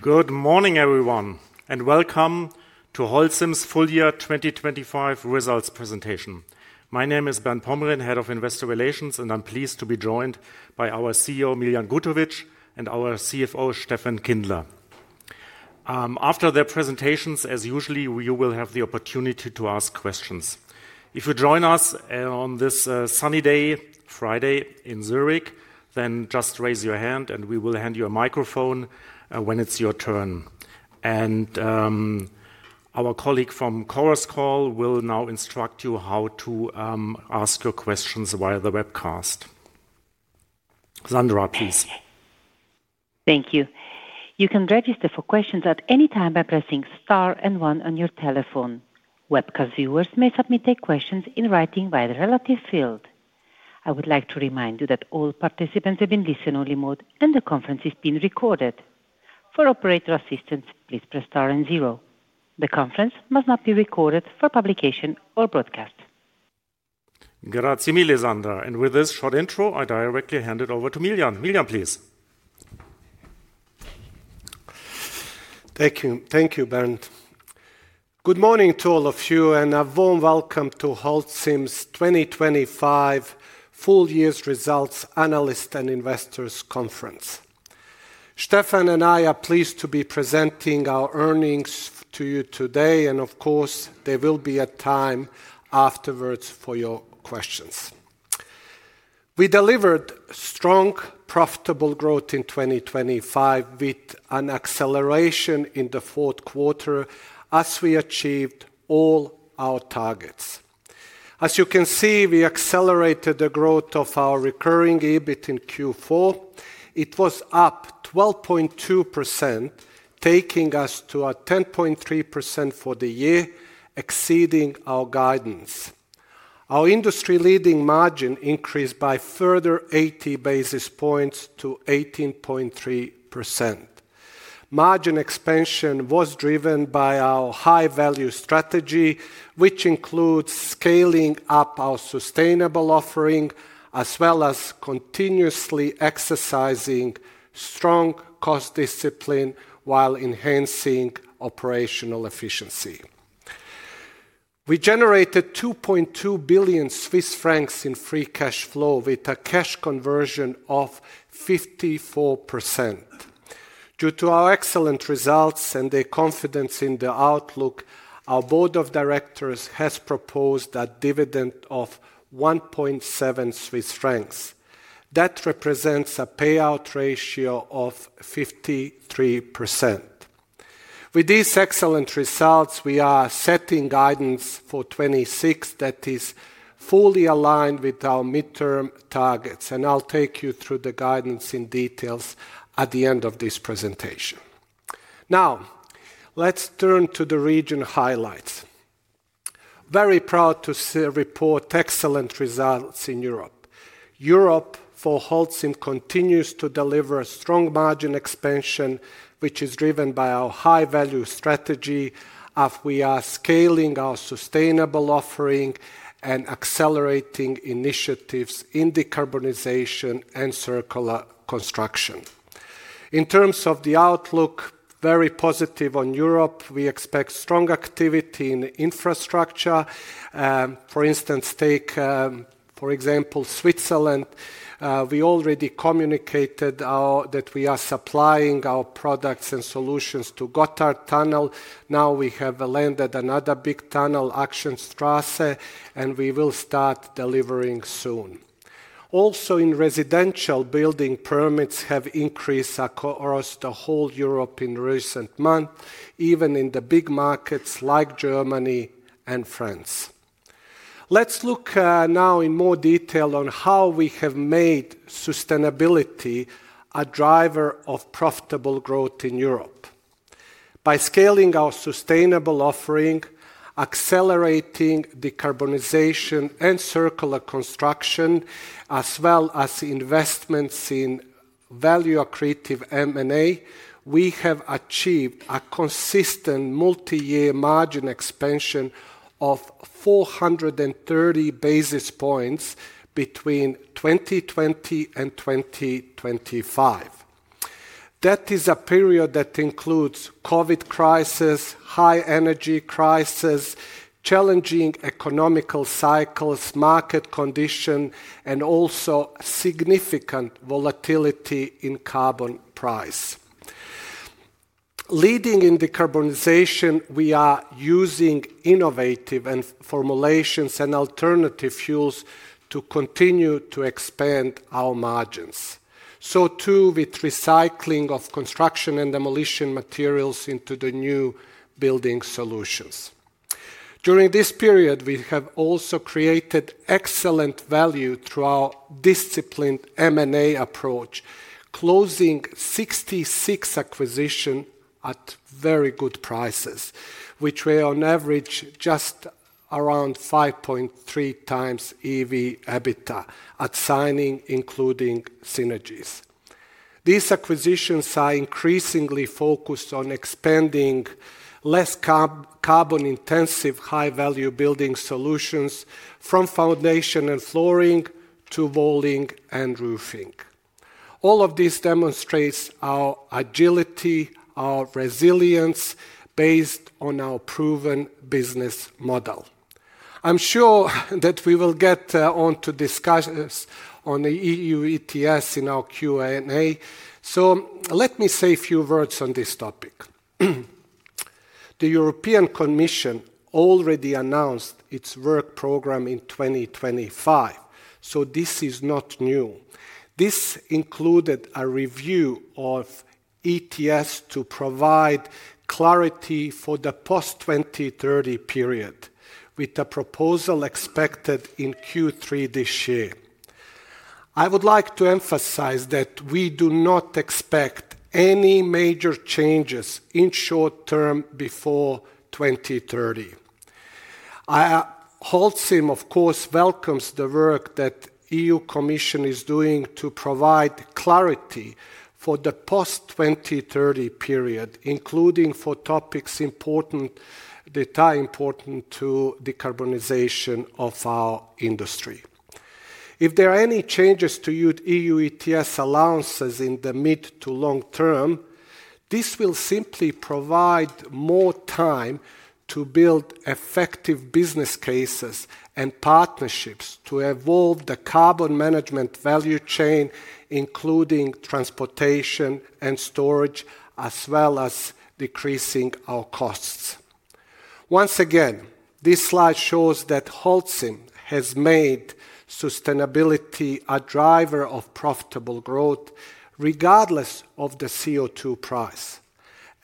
Good morning, everyone. Welcome to Holcim's Full Year 2025 Results Presentation. My name is Bernd Pomrehn, Head of Investor Relations, and I'm pleased to be joined by our CEO, Miljan Gutovic, and our CFO, Steffen Kindler. After their presentations, as usually, you will have the opportunity to ask questions. If you join us on this sunny day, Friday, in Zurich, then just raise your hand and we will hand you a microphone when it's your turn. Our colleague from Chorus Call will now instruct you how to ask your questions via the webcast. Sandra, please. Thank you. You can register for questions at any time by pressing Star and One on your telephone. Webcast viewers may submit their questions in writing via the relative field. I would like to remind you that all participants are in listen-only mode, and the conference is being recorded. For operator assistance, please press Star and Zero. The conference must not be recorded for publication or broadcast. Grazie mille, Sandra. With this short intro, I directly hand it over to Miljan. Miljan, please. Thank you. Thank you, Bernd. Good morning to all of you, and a warm welcome to Holcim's 2025 full year's results analyst and investors conference. Steffen and I are pleased to be presenting our earnings to you today, and of course, there will be a time afterwards for your questions. We delivered strong, profitable growth in 2025, with an acceleration in the Q4 as we achieved all our targets. As you can see, we accelerated the growth of our recurring EBIT in Q4. It was up 12.2%, taking us to a 10.3% for the year, exceeding our guidance. Our industry-leading margin increased by further 80 basis points to 18.3%. Margin expansion was driven by our high-value strategy, which includes scaling up our sustainable offering, as well as continuously exercising strong cost discipline while enhancing operational efficiency. We generated 2.2 billion Swiss francs in free cash flow with a cash conversion of 54%. Due to our excellent results and the confidence in the outlook, our board of directors has proposed a dividend of 1.7 Swiss francs. That represents a payout ratio of 53%. With these excellent results, we are setting guidance for 2026 that is fully aligned with our midterm targets. I'll take you through the guidance in details at the end of this presentation. Let's turn to the region highlights. Very proud to report excellent results in Europe. Europe, for Holcim, continues to deliver strong margin expansion, which is driven by our high-value strategy, as we are scaling our sustainable offering and accelerating initiatives in decarbonization and circular construction. In terms of the outlook, very positive on Europe. We expect strong activity in infrastructure. For instance, take, for example, Switzerland. We already communicated that we are supplying our products and solutions to Gotthard Tunnel. Now we have landed another big tunnel, Axenstrasse, and we will start delivering soon. Also, in residential, building permits have increased across the whole Europe in recent months, even in the big markets like Germany and France. Let's look now in more detail on how we have made sustainability a driver of profitable growth in Europe. By scaling our sustainable offering, accelerating decarbonization and circular construction, as well as investments in value-accretive M&A, we have achieved a consistent multi-year margin expansion of 430 basis points between 2020 and 2025. That is a period that includes COVID crisis, high energy crisis, challenging economical cycles, market condition, and also significant volatility in carbon price. Leading in decarbonization, we are using innovative and formulations and alternative fuels to continue to expand our margins, so too with recycling of construction and demolition materials into the new building solutions. During this period, we have also created excellent value through our disciplined M&A approach, closing 66 acquisition at very good prices, which were on average just around 5.3x EV/EBITDA at signing, including synergies. These acquisitions are increasingly focused on expanding less carbon-intensive, high-value building solutions from foundation and flooring to walling and roofing. All of this demonstrates our agility, our resilience, based on our proven business model. I'm sure that we will get on to discuss this on the EU ETS in our Q&A. Let me say a few words on this topic. The European Commission already announced its work program in 2025, this is not new. This included a review of ETS to provide clarity for the post-2030 period, with the proposal expected in Q3 this year. I would like to emphasize that we do not expect any major changes in short term before 2030. Holcim, of course, welcomes the work that EU Commission is doing to provide clarity for the post-2030 period, including for topics that are important to decarbonization of our industry. If there are any changes to EU ETS allowances in the mid to long term, this will simply provide more time to build effective business cases and partnerships to evolve the carbon management value chain, including transportation and storage, as well as decreasing our costs. Once again, this slide shows that Holcim has made sustainability a driver of profitable growth, regardless of the CO2 price.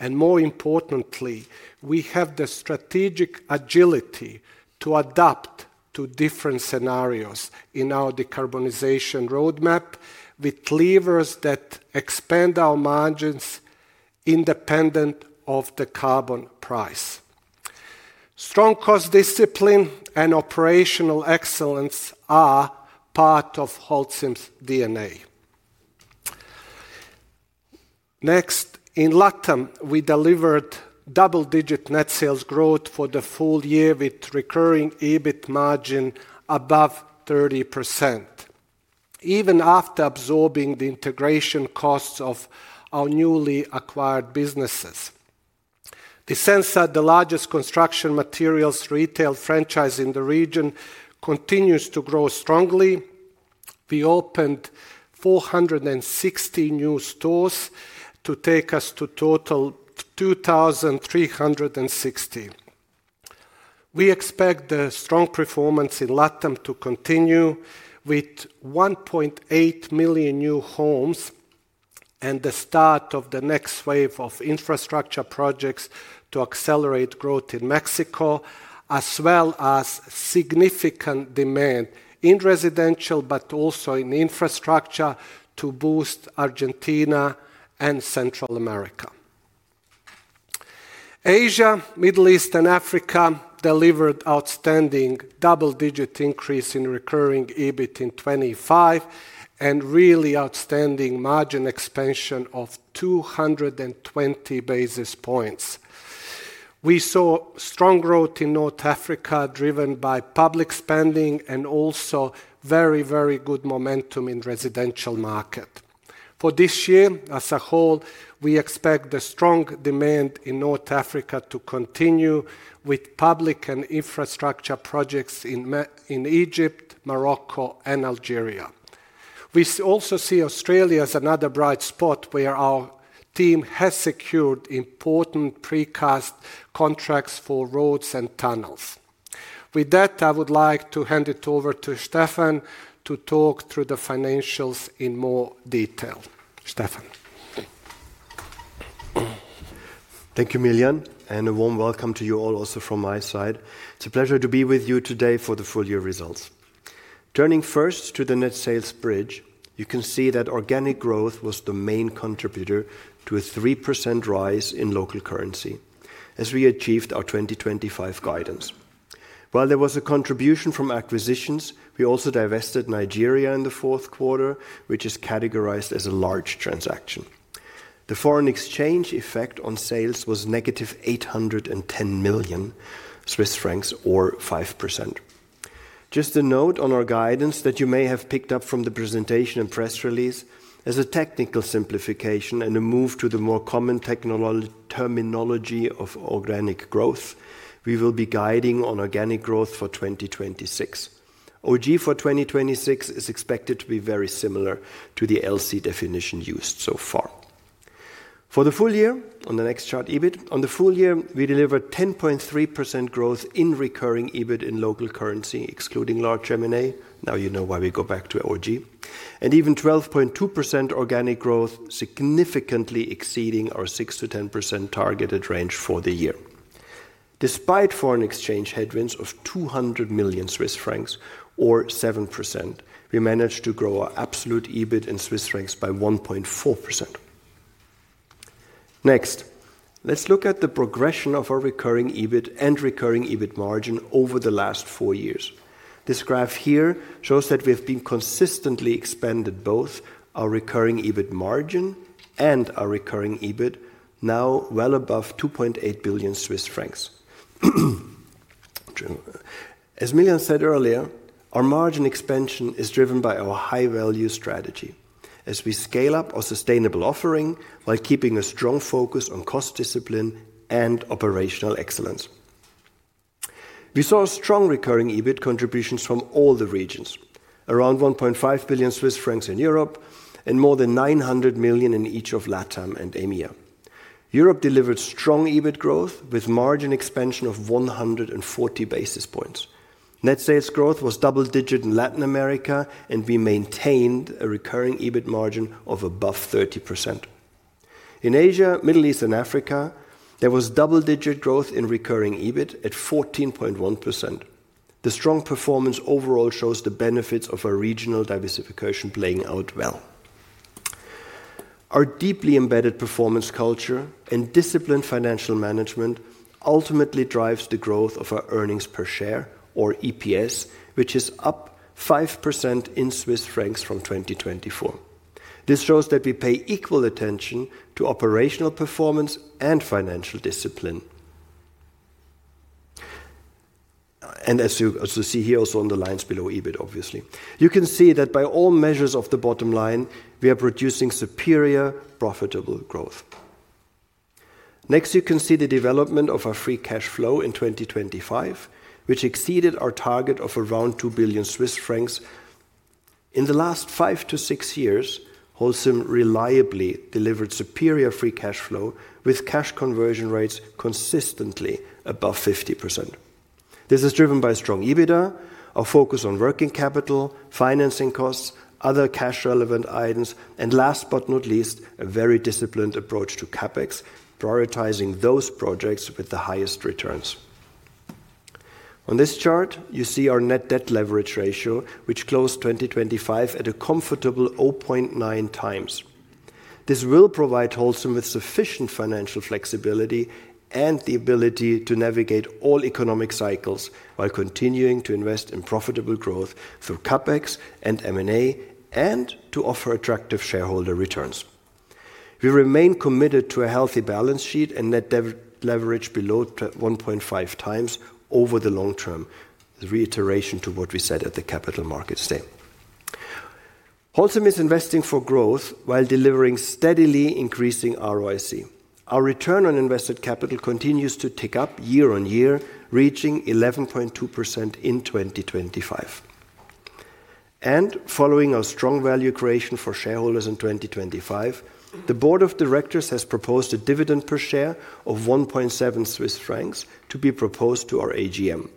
More importantly, we have the strategic agility to adapt to different scenarios in our decarbonization roadmap, with levers that expand our margins independent of the carbon price. Strong cost discipline and operational excellence are part of Holcim's DNA. Next, in LATAM, we delivered double-digit net sales growth for the full year, with recurring EBIT margin above 30%, even after absorbing the integration costs of our newly acquired businesses. Disensa, the largest construction materials retail franchise in the region, continues to grow strongly. We opened 460 new stores to take us to total 2,360. We expect the strong performance in LATAM to continue, with 1.8 million new homes and the start of the next wave of infrastructure projects to accelerate growth in Mexico, as well as significant demand in residential, but also in infrastructure to boost Argentina and Central America. Asia, Middle East, and Africa delivered outstanding double-digit increase in recurring EBIT in 25, and really outstanding margin expansion of 220 basis points. We saw strong growth in North Africa, driven by public spending and also very good momentum in residential market. For this year as a whole, we expect the strong demand in North Africa to continue with public and infrastructure projects in Egypt, Morocco, and Algeria. We also see Australia as another bright spot, where our team has secured important precast contracts for roads and tunnels. With that, I would like to hand it over to Steffen to talk through the financials in more detail. Steffen? Thank you, Miljan. A warm welcome to you all, also from my side. It's a pleasure to be with you today for the full year results. Turning first to the net sales bridge, you can see that organic growth was the main contributor to a 3% rise in local currency, as we achieved our 2025 guidance. While there was a contribution from acquisitions, we also divested Nigeria in the Q4, which is categorized as a large transaction. The foreign exchange effect on sales was -810 million Swiss francs, or 5%. Just a note on our guidance that you may have picked up from the presentation and press release. As a technical simplification and a move to the more common terminology of organic growth, we will be guiding on organic growth for 2026. OG for 2026 is expected to be very similar to the LC definition used so far. For the full year, on the next chart, EBIT. On the full year, we delivered 10.3% growth in recurring EBIT in local currency, excluding large M&A. Now you know why we go back to OG. Even 12.2% organic growth, significantly exceeding our 6 to 10% targeted range for the year. Despite foreign exchange headwinds of 200 million Swiss francs, or 7%, we managed to grow our absolute EBIT in CHF by 1.4%. Next, let's look at the progression of our recurring EBIT and recurring EBIT margin over the last four years. This graph here shows that we have been consistently expanded both our recurring EBIT margin and our recurring EBIT, now well above 2.8 billion Swiss francs. As Miljan said earlier, our margin expansion is driven by our high-value strategy as we scale up our sustainable offering while keeping a strong focus on cost discipline and operational excellence. We saw strong recurring EBIT contributions from all the regions, around 1.5 billion Swiss francs in Europe, and more than 900 million in each of LATAM and AMEA. Europe delivered strong EBIT growth, with margin expansion of 140 basis points. Net sales growth was double-digit in Latin America, and we maintained a recurring EBIT margin of above 30%. In Asia, Middle East, and Africa, there was double-digit growth in recurring EBIT at 14.1%. The strong performance overall shows the benefits of our regional diversification playing out well. Our deeply embedded performance culture and disciplined financial management ultimately drives the growth of our earnings per share, or EPS, which is up 5% in Swiss francs from 2024. This shows that we pay equal attention to operational performance and financial discipline. As you, as you see here also on the lines below EBIT, obviously. You can see that by all measures of the bottom line, we are producing superior, profitable growth. Next, you can see the development of our free cash flow in 2025, which exceeded our target of around 2 billion Swiss francs. In the last 5-6 years, Holcim reliably delivered superior free cash flow, with cash conversion rates consistently above 50%. This is driven by strong EBITDA, our focus on working capital, financing costs, other cash-relevant items, and last but not least, a very disciplined approach to CapEx, prioritizing those projects with the highest returns. On this chart, you see our net debt leverage ratio, which closed 2025 at a comfortable 0.9 x. This will provide Holcim with sufficient financial flexibility and the ability to navigate all economic cycles while continuing to invest in profitable growth through CapEx and M&A, and to offer attractive shareholder returns. We remain committed to a healthy balance sheet and net leverage below 1.5xover the long term, a reiteration to what we said at the capital markets day. Holcim is investing for growth while delivering steadily increasing ROIC. Our return on invested capital continues to tick up year-on-year, reaching 11.2% in 2025. Following our strong value creation for shareholders in 2025, the board of directors has proposed a dividend per share of 1.7 Swiss francs to be proposed to our AGM.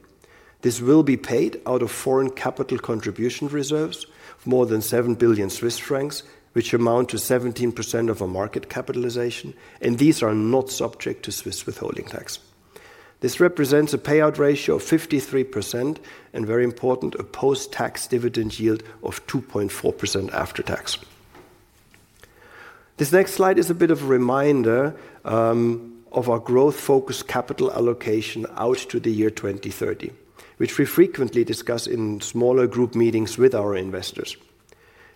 This will be paid out of foreign capital contribution reserves, more than 7 billion Swiss francs, which amount to 17% of our market capitalization. These are not subject to Swiss withholding tax. This represents a payout ratio of 53%. Very important, a post-tax dividend yield of 2.4% after tax. This next slide is a bit of a reminder of our growth-focused capital allocation out to the year 2030, which we frequently discuss in smaller group meetings with our investors.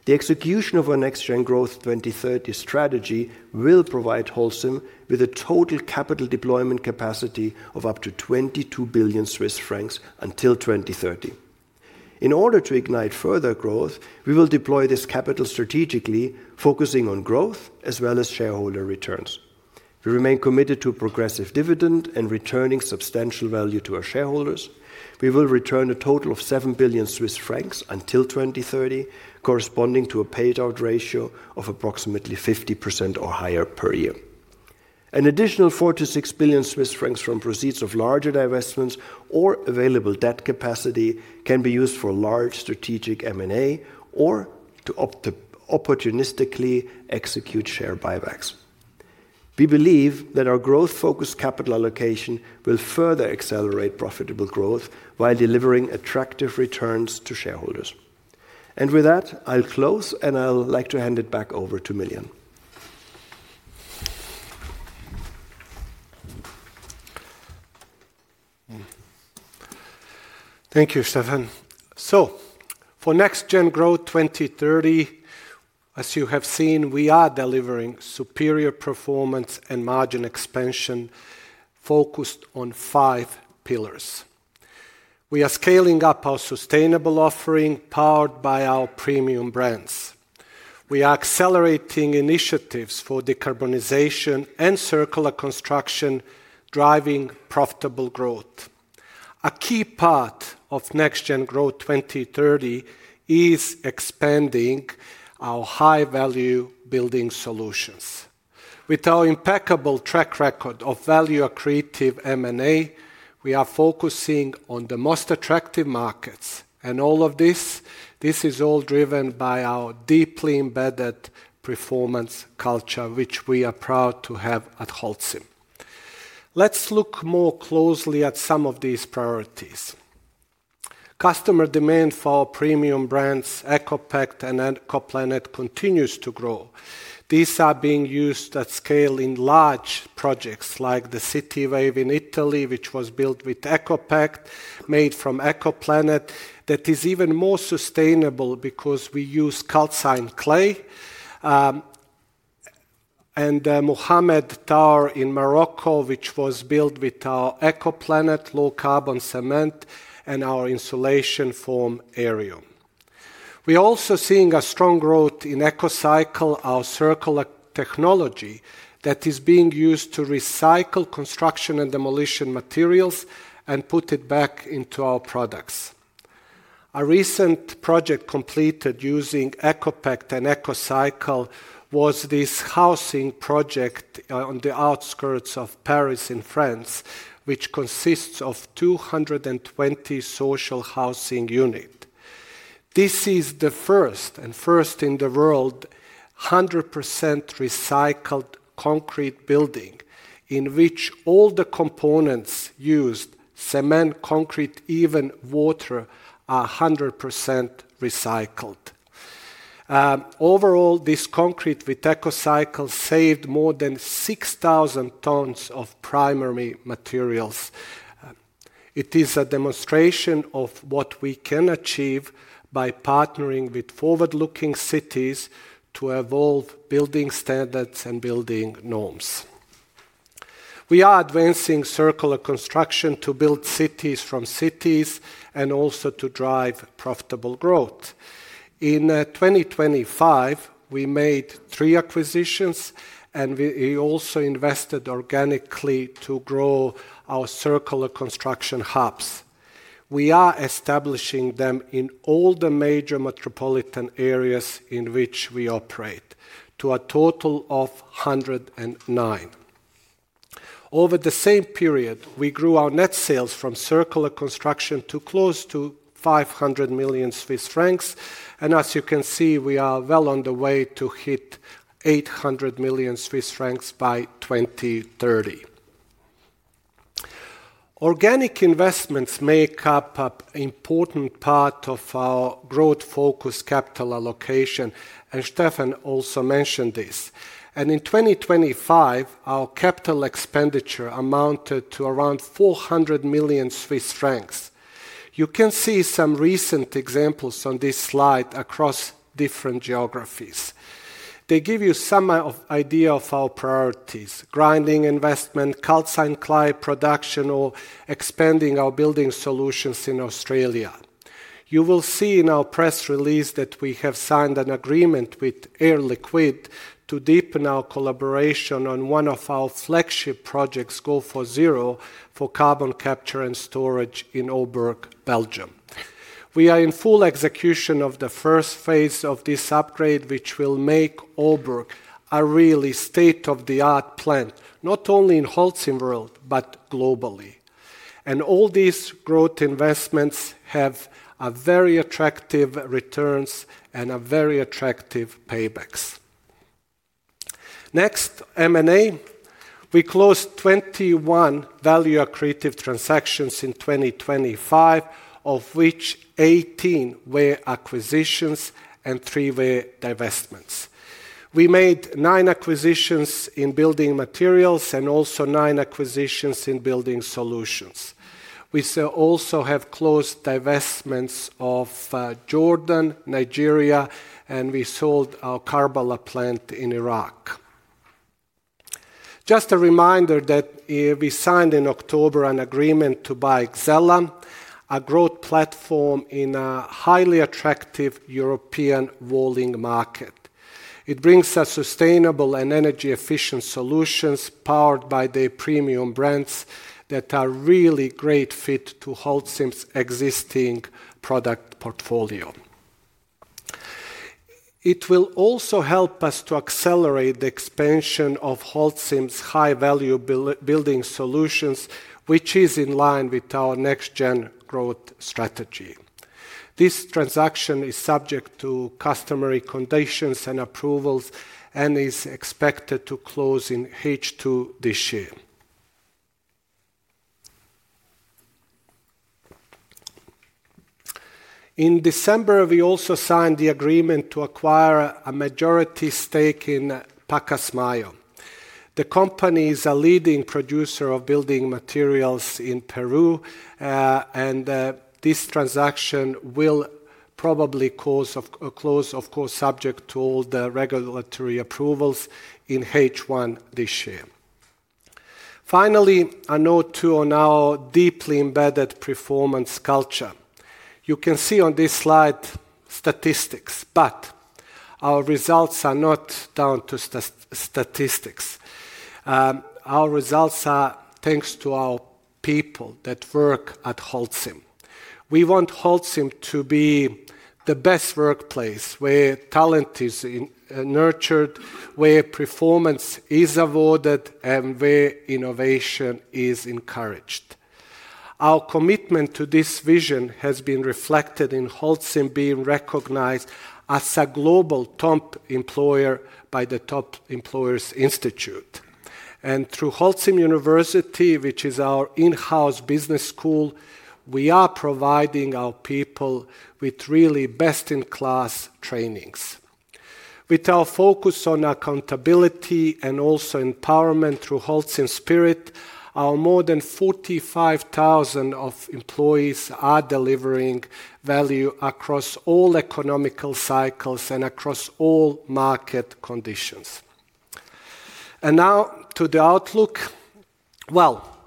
The execution of our NextGen Growth 2030 strategy will provide Holcim with a total capital deployment capacity of up to 22 billion Swiss francs until 2030. In order to ignite further growth, we will deploy this capital strategically, focusing on growth as well as shareholder returns. We remain committed to a progressive dividend and returning substantial value to our shareholders. We will return a total of 7 billion Swiss francs until 2030, corresponding to a payout ratio of approximately 50% or higher per year. An additional 4 billion-6 billion Swiss francs from proceeds of larger divestments or available debt capacity can be used for large strategic M&A or to opt to opportunistically execute share buybacks. We believe that our growth-focused capital allocation will further accelerate profitable growth while delivering attractive returns to shareholders. With that, I'll close, and I'll like to hand it back over to Miljan. Thank you, Steffen. For NextGen Growth 2030, as you have seen, we are delivering superior performance and margin expansion focused on five pillars. We are scaling up our sustainable offering, powered by our premium brands. We are accelerating initiatives for decarbonization and circular construction, driving profitable growth. A key part of NextGen Growth 2030 is expanding our high-value building solutions. With our impeccable track record of value-accretive M&A, we are focusing on the most attractive markets. All of this is all driven by our deeply embedded performance culture, which we are proud to have at Holcim. Let's look more closely at some of these priorities. Customer demand for our premium brands, ECOPACT and ECOPLANET, continues to grow. These are being used at scale in large projects like the CityWave in Italy, which was built with ECOPACT, made from ECOPLANET. That is even more sustainable because we use calcined clay, and the Mohammed VI Tower in Morocco, which was built with our EcoPlanet low-carbon cement and our insulation foam Aerium. We're also seeing a strong growth in EcoCycle, our circular technology that is being used to recycle construction and demolition materials and put it back into our products. A recent project completed using EcoPact and EcoCycle was this housing project on the outskirts of Paris in France, which consists of 220 social housing unit. This is the first, and first in the world, 100% recycled concrete building, in which all the components used: cement, concrete, even water, are 100% recycled. Overall, this concrete with EcoCycle saved more than 6,000 tons of primary materials. It is a demonstration of what we can achieve by partnering with forward-looking cities to evolve building standards and building norms. We are advancing circular construction to build cities from cities and also to drive profitable growth. In 2025, we made three acquisitions, we also invested organically to grow our circular construction hubs. We are establishing them in all the major metropolitan areas in which we operate, to a total of 109. Over the same period, we grew our net sales from circular construction to close to 500 million Swiss francs, as you can see, we are well on the way to hit 800 million Swiss francs by 2030. Organic investments make up a important part of our growth-focused capital allocation, Steffen also mentioned this. In 2025, our CapEx amounted to around 400 million Swiss francs. You can see some recent examples on this slide across different geographies. They give you some idea of our priorities: grinding investment, calcined clay production, or expanding our building solutions in Australia. You will see in our press release that we have signed an agreement with Air Liquide to deepen our collaboration on one of our flagship projects, Go4Zero, for carbon capture and storage in Obourg, Belgium. We are in full execution of the first phase of this upgrade, which will make Obourg a really state-of-the-art plant, not only in Holcim, but globally. All these growth investments have a very attractive returns and a very attractive paybacks. Next, M&A. We closed 21 value accretive transactions in 2025, of which 18 were acquisitions and three were divestments. We made 9 acquisitions in building materials and also 9 acquisitions in building solutions. We so also have closed divestments of Jordan, Nigeria, and we sold our Karbala plant in Iraq. Just a reminder that we signed in October an agreement to buy Xella, a growth platform in a highly attractive European walling market. It brings us sustainable and energy-efficient solutions, powered by their premium brands that are really great fit to Holcim's existing product portfolio. It will also help us to accelerate the expansion of Holcim's high-value building solutions, which is in line with our NextGen Growth strategy. This transaction is subject to customary conditions and approvals and is expected to close in H2 this year. In December, we also signed the agreement to acquire a majority stake in Pacasmayo. The company is a leading producer of building materials in Peru, and this transaction will probably close, of course, subject to all the regulatory approvals in H1 this year. A note, too, on our deeply embedded performance culture. You can see on this slide, statistics, our results are not down to statistics. Our results are thanks to our people that work at Holcim. We want Holcim to be the best workplace, where talent is nurtured, where performance is awarded, and where innovation is encouraged. Our commitment to this vision has been reflected in Holcim being recognized as a global top employer by the Top Employers Institute. Through Holcim University, which is our in-house business school, we are providing our people with really best-in-class trainings. With our focus on accountability and also empowerment through Holcim Spirit, our more than 45,000 employees are delivering value across all economic cycles and across all market conditions. Now to the outlook. Well,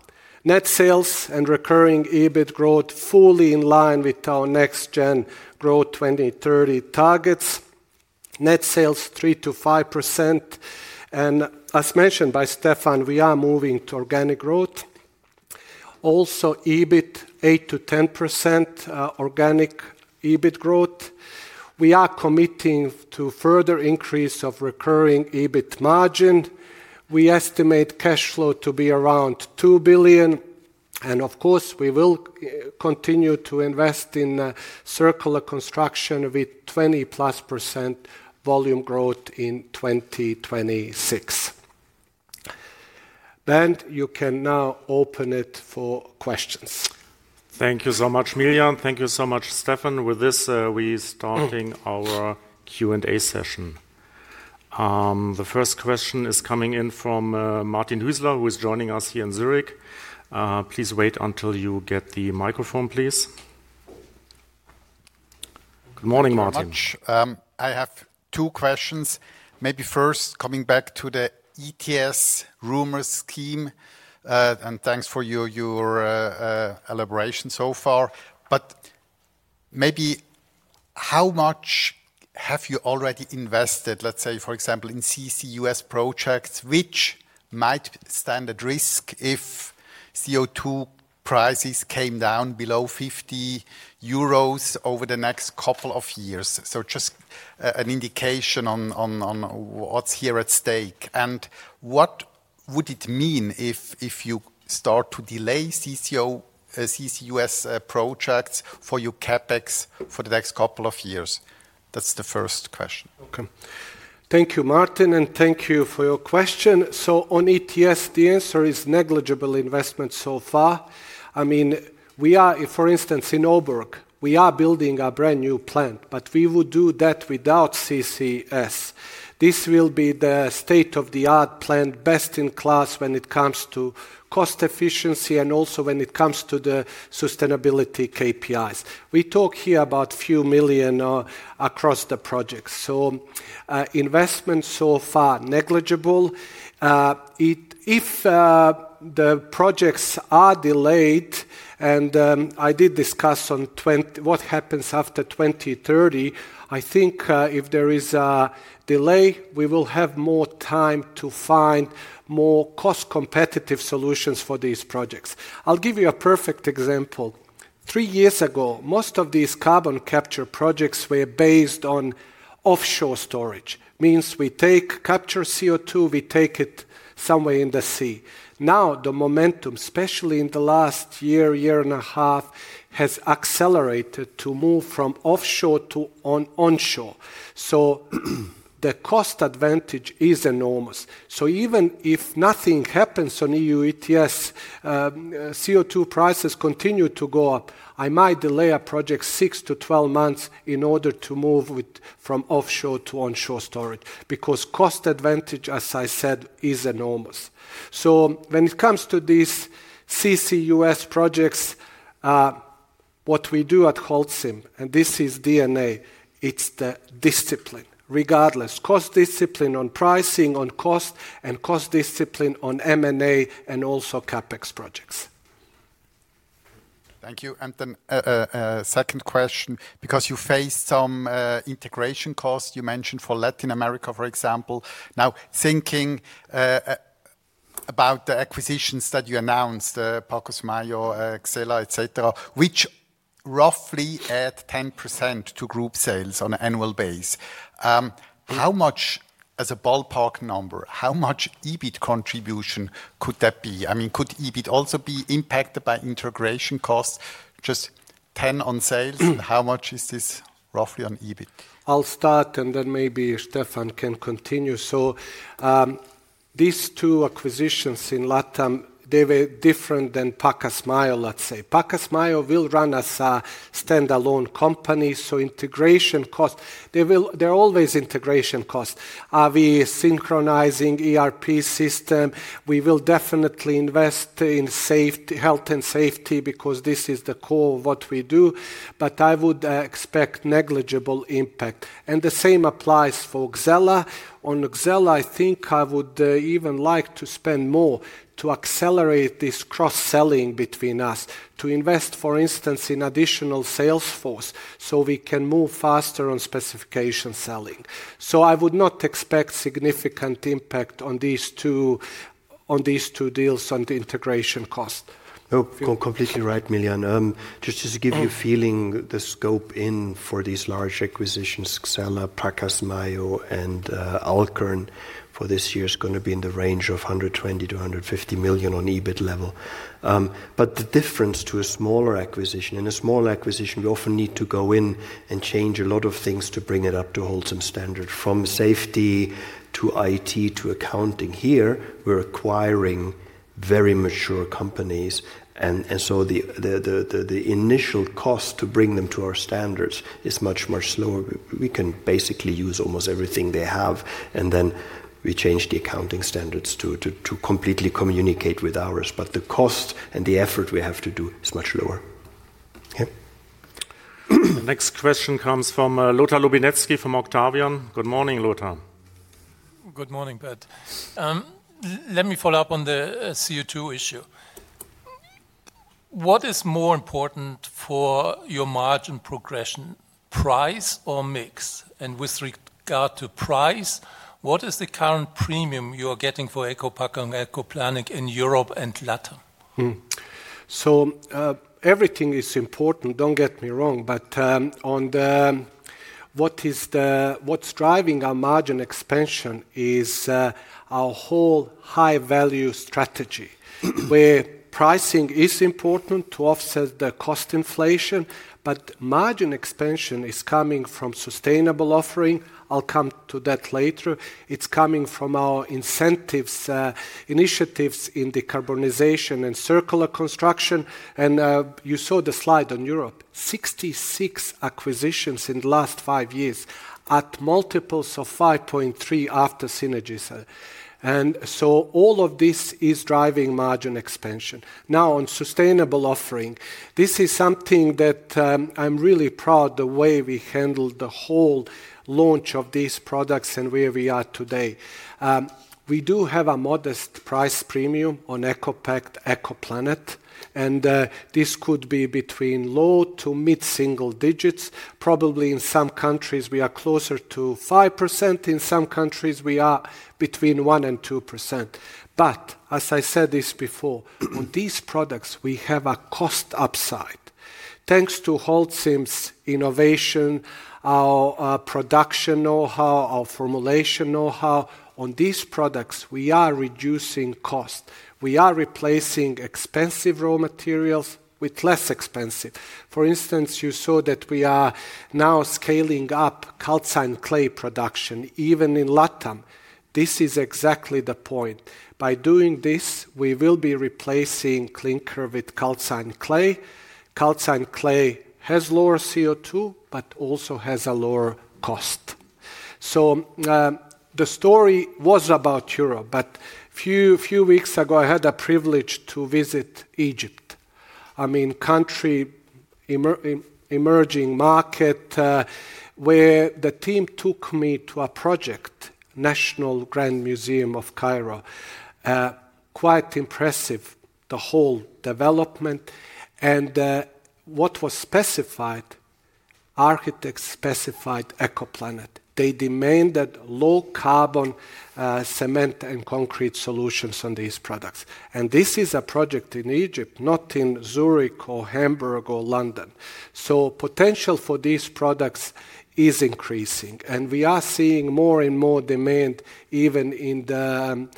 net sales and recurring EBIT growth fully in line with our NextGen Growth 2030 targets. Net sales 3 to 5%, as mentioned by Steffen, we are moving to organic growth. Also, EBIT 8 to 10% organic EBIT growth. We are committing to further increase of recurring EBIT margin. We estimate cash flow to be around 2 billion, of course, we will continue to invest in circular construction with 20%+ volume growth in 2026. You can now open it for questions. Thank you so much, Miljan. Thank you so much, Steffen. With this, we're starting our Q&A session. The first question is coming in from Martin Hüsler, who is joining us here in Zurich. Please wait until you get the microphone, please. Good morning, Martin. Thank you very much. I have two questions. Maybe first, coming back to the ETS rumor scheme, and thanks for your elaboration so far. But maybe how much have you already invested, let's say, for example, in CCUS projects, which might stand at risk if CO2 prices came down below 50 euros over the next couple of years? Just an indication on what's here at stake, and what would it mean if you start to delay CCUS projects for your CapEx for the next couple of years? That's the first question. Thank you, Martin, and thank you for your question. On ETS, the answer is negligible investment so far. I mean, for instance, in Obourg, we are building a brand-new plant, we will do that without CCS. This will be the state-of-the-art plant, best-in-class when it comes to cost efficiency and also when it comes to the sustainability KPIs. We talk here about few million CHF across the project. Investment so far, negligible. If the projects are delayed, I did discuss on what happens after 2030, I think, if there is a delay, we will have more time to find more cost-competitive solutions for these projects. I'll give you a perfect example. 3 years ago, most of these carbon capture projects were based on offshore storage. Means we take... capture CO2, we take it somewhere in the sea. The momentum, especially in the last year and a half, has accelerated to move from offshore to onshore. The cost advantage is enormous. Even if nothing happens on EU ETS, CO2 prices continue to go up, I might delay a project 6-12 months in order to move from offshore to onshore storage, because cost advantage, as I said, is enormous. When it comes to these CCUS projects, what we do at Holcim, and this is DNA, it's the discipline. Regardless, cost discipline on pricing, on cost, and cost discipline on M&A and also CapEx projects. Thank you. Then a second question, because you faced some integration costs, you mentioned for Latin America, for example. Thinking about the acquisitions that you announced, Pacasmayo, Xella, et cetera, which roughly add 10% to group sales on an annual base, how much- as a ballpark number, how much EBIT contribution could that be? I mean, could EBIT also be impacted by integration costs, just 10% on sales? How much is this roughly on EBIT? I'll start, and then maybe Steffen can continue. These two acquisitions in Latam, they were different than Pacasmayo, let's say. Pacasmayo will run as a standalone company, so integration cost, there are always integration costs. Are we synchronizing ERP system? We will definitely invest in safety, health, and safety because this is the core of what we do, but I would expect negligible impact, and the same applies for Xella. On Xella, I think I would even like to spend more to accelerate this cross-selling between us, to invest, for instance, in additional sales force, so we can move faster on specification selling. I would not expect significant impact on these two, on these two deals on the integration cost. No, co-completely right, Miljan. Just to give you a feeling, the scope in for these large acquisitions, Xella, Pacasmayo, and Alkern for this year is gonna be in the range of 120 million-150 million on EBIT level. The difference to a smaller acquisition, in a small acquisition, we often need to go in and change a lot of things to bring it up to Holcim standard, from safety to IT to accounting. Here, we're acquiring very mature companies, the initial cost to bring them to our standards is much lower. We can basically use almost everything they have, we change the accounting standards to completely communicate with ours. The cost and the effort we have to do is much lower. Okay? The next question comes from Lothar Lubinetski from Octavian. Good morning, Lothar. Good morning, Bernd. Let me follow up on the CO2 issue. What is more important for your margin progression, price or mix? With regard to price, what is the current premium you are getting for ECOPACT and ECOPLANET in Europe and Latam? Everything is important, don't get me wrong, but what's driving our margin expansion is our whole high-value strategy, where pricing is important to offset the cost inflation, but margin expansion is coming from sustainable offering. I'll come to that later. It's coming from our incentives initiatives in decarbonization and circular construction. You saw the slide on Europe, 66 acquisitions in the last 5 years at multiples of 5.3 after synergies. All of this is driving margin expansion. On sustainable offering, this is something that I'm really proud the way we handled the whole launch of these products and where we are today. We do have a modest price premium on ECOPACT, ECOPLANET. This could be between low to mid-single digits. Probably in some countries we are closer to 5%, in some countries we are between 1 to 2%. As I said this before, on these products, we have a cost upside. Thanks to Holcim's innovation, our production know-how, our formulation know-how, on these products, we are reducing cost. We are replacing expensive raw materials with less expensive. For instance, you saw that we are now scaling up calcined clay production, even in Latam. This is exactly the point. By doing this, we will be replacing clinker with calcined clay. Calcined clay has lower CO2, but also has a lower cost. The story was about Europe, but few weeks ago I had the privilege to visit Egypt. I mean, country emerging market, where the team took me to a project, Grand Egyptian Museum. Quite impressive, the whole development. What was specified? Architects specified EcoPlanet. They demanded low carbon cement and concrete solutions on these products, and this is a project in Egypt, not in Zurich or Hamburg or London. Potential for these products is increasing, and we are seeing more and more demand even in the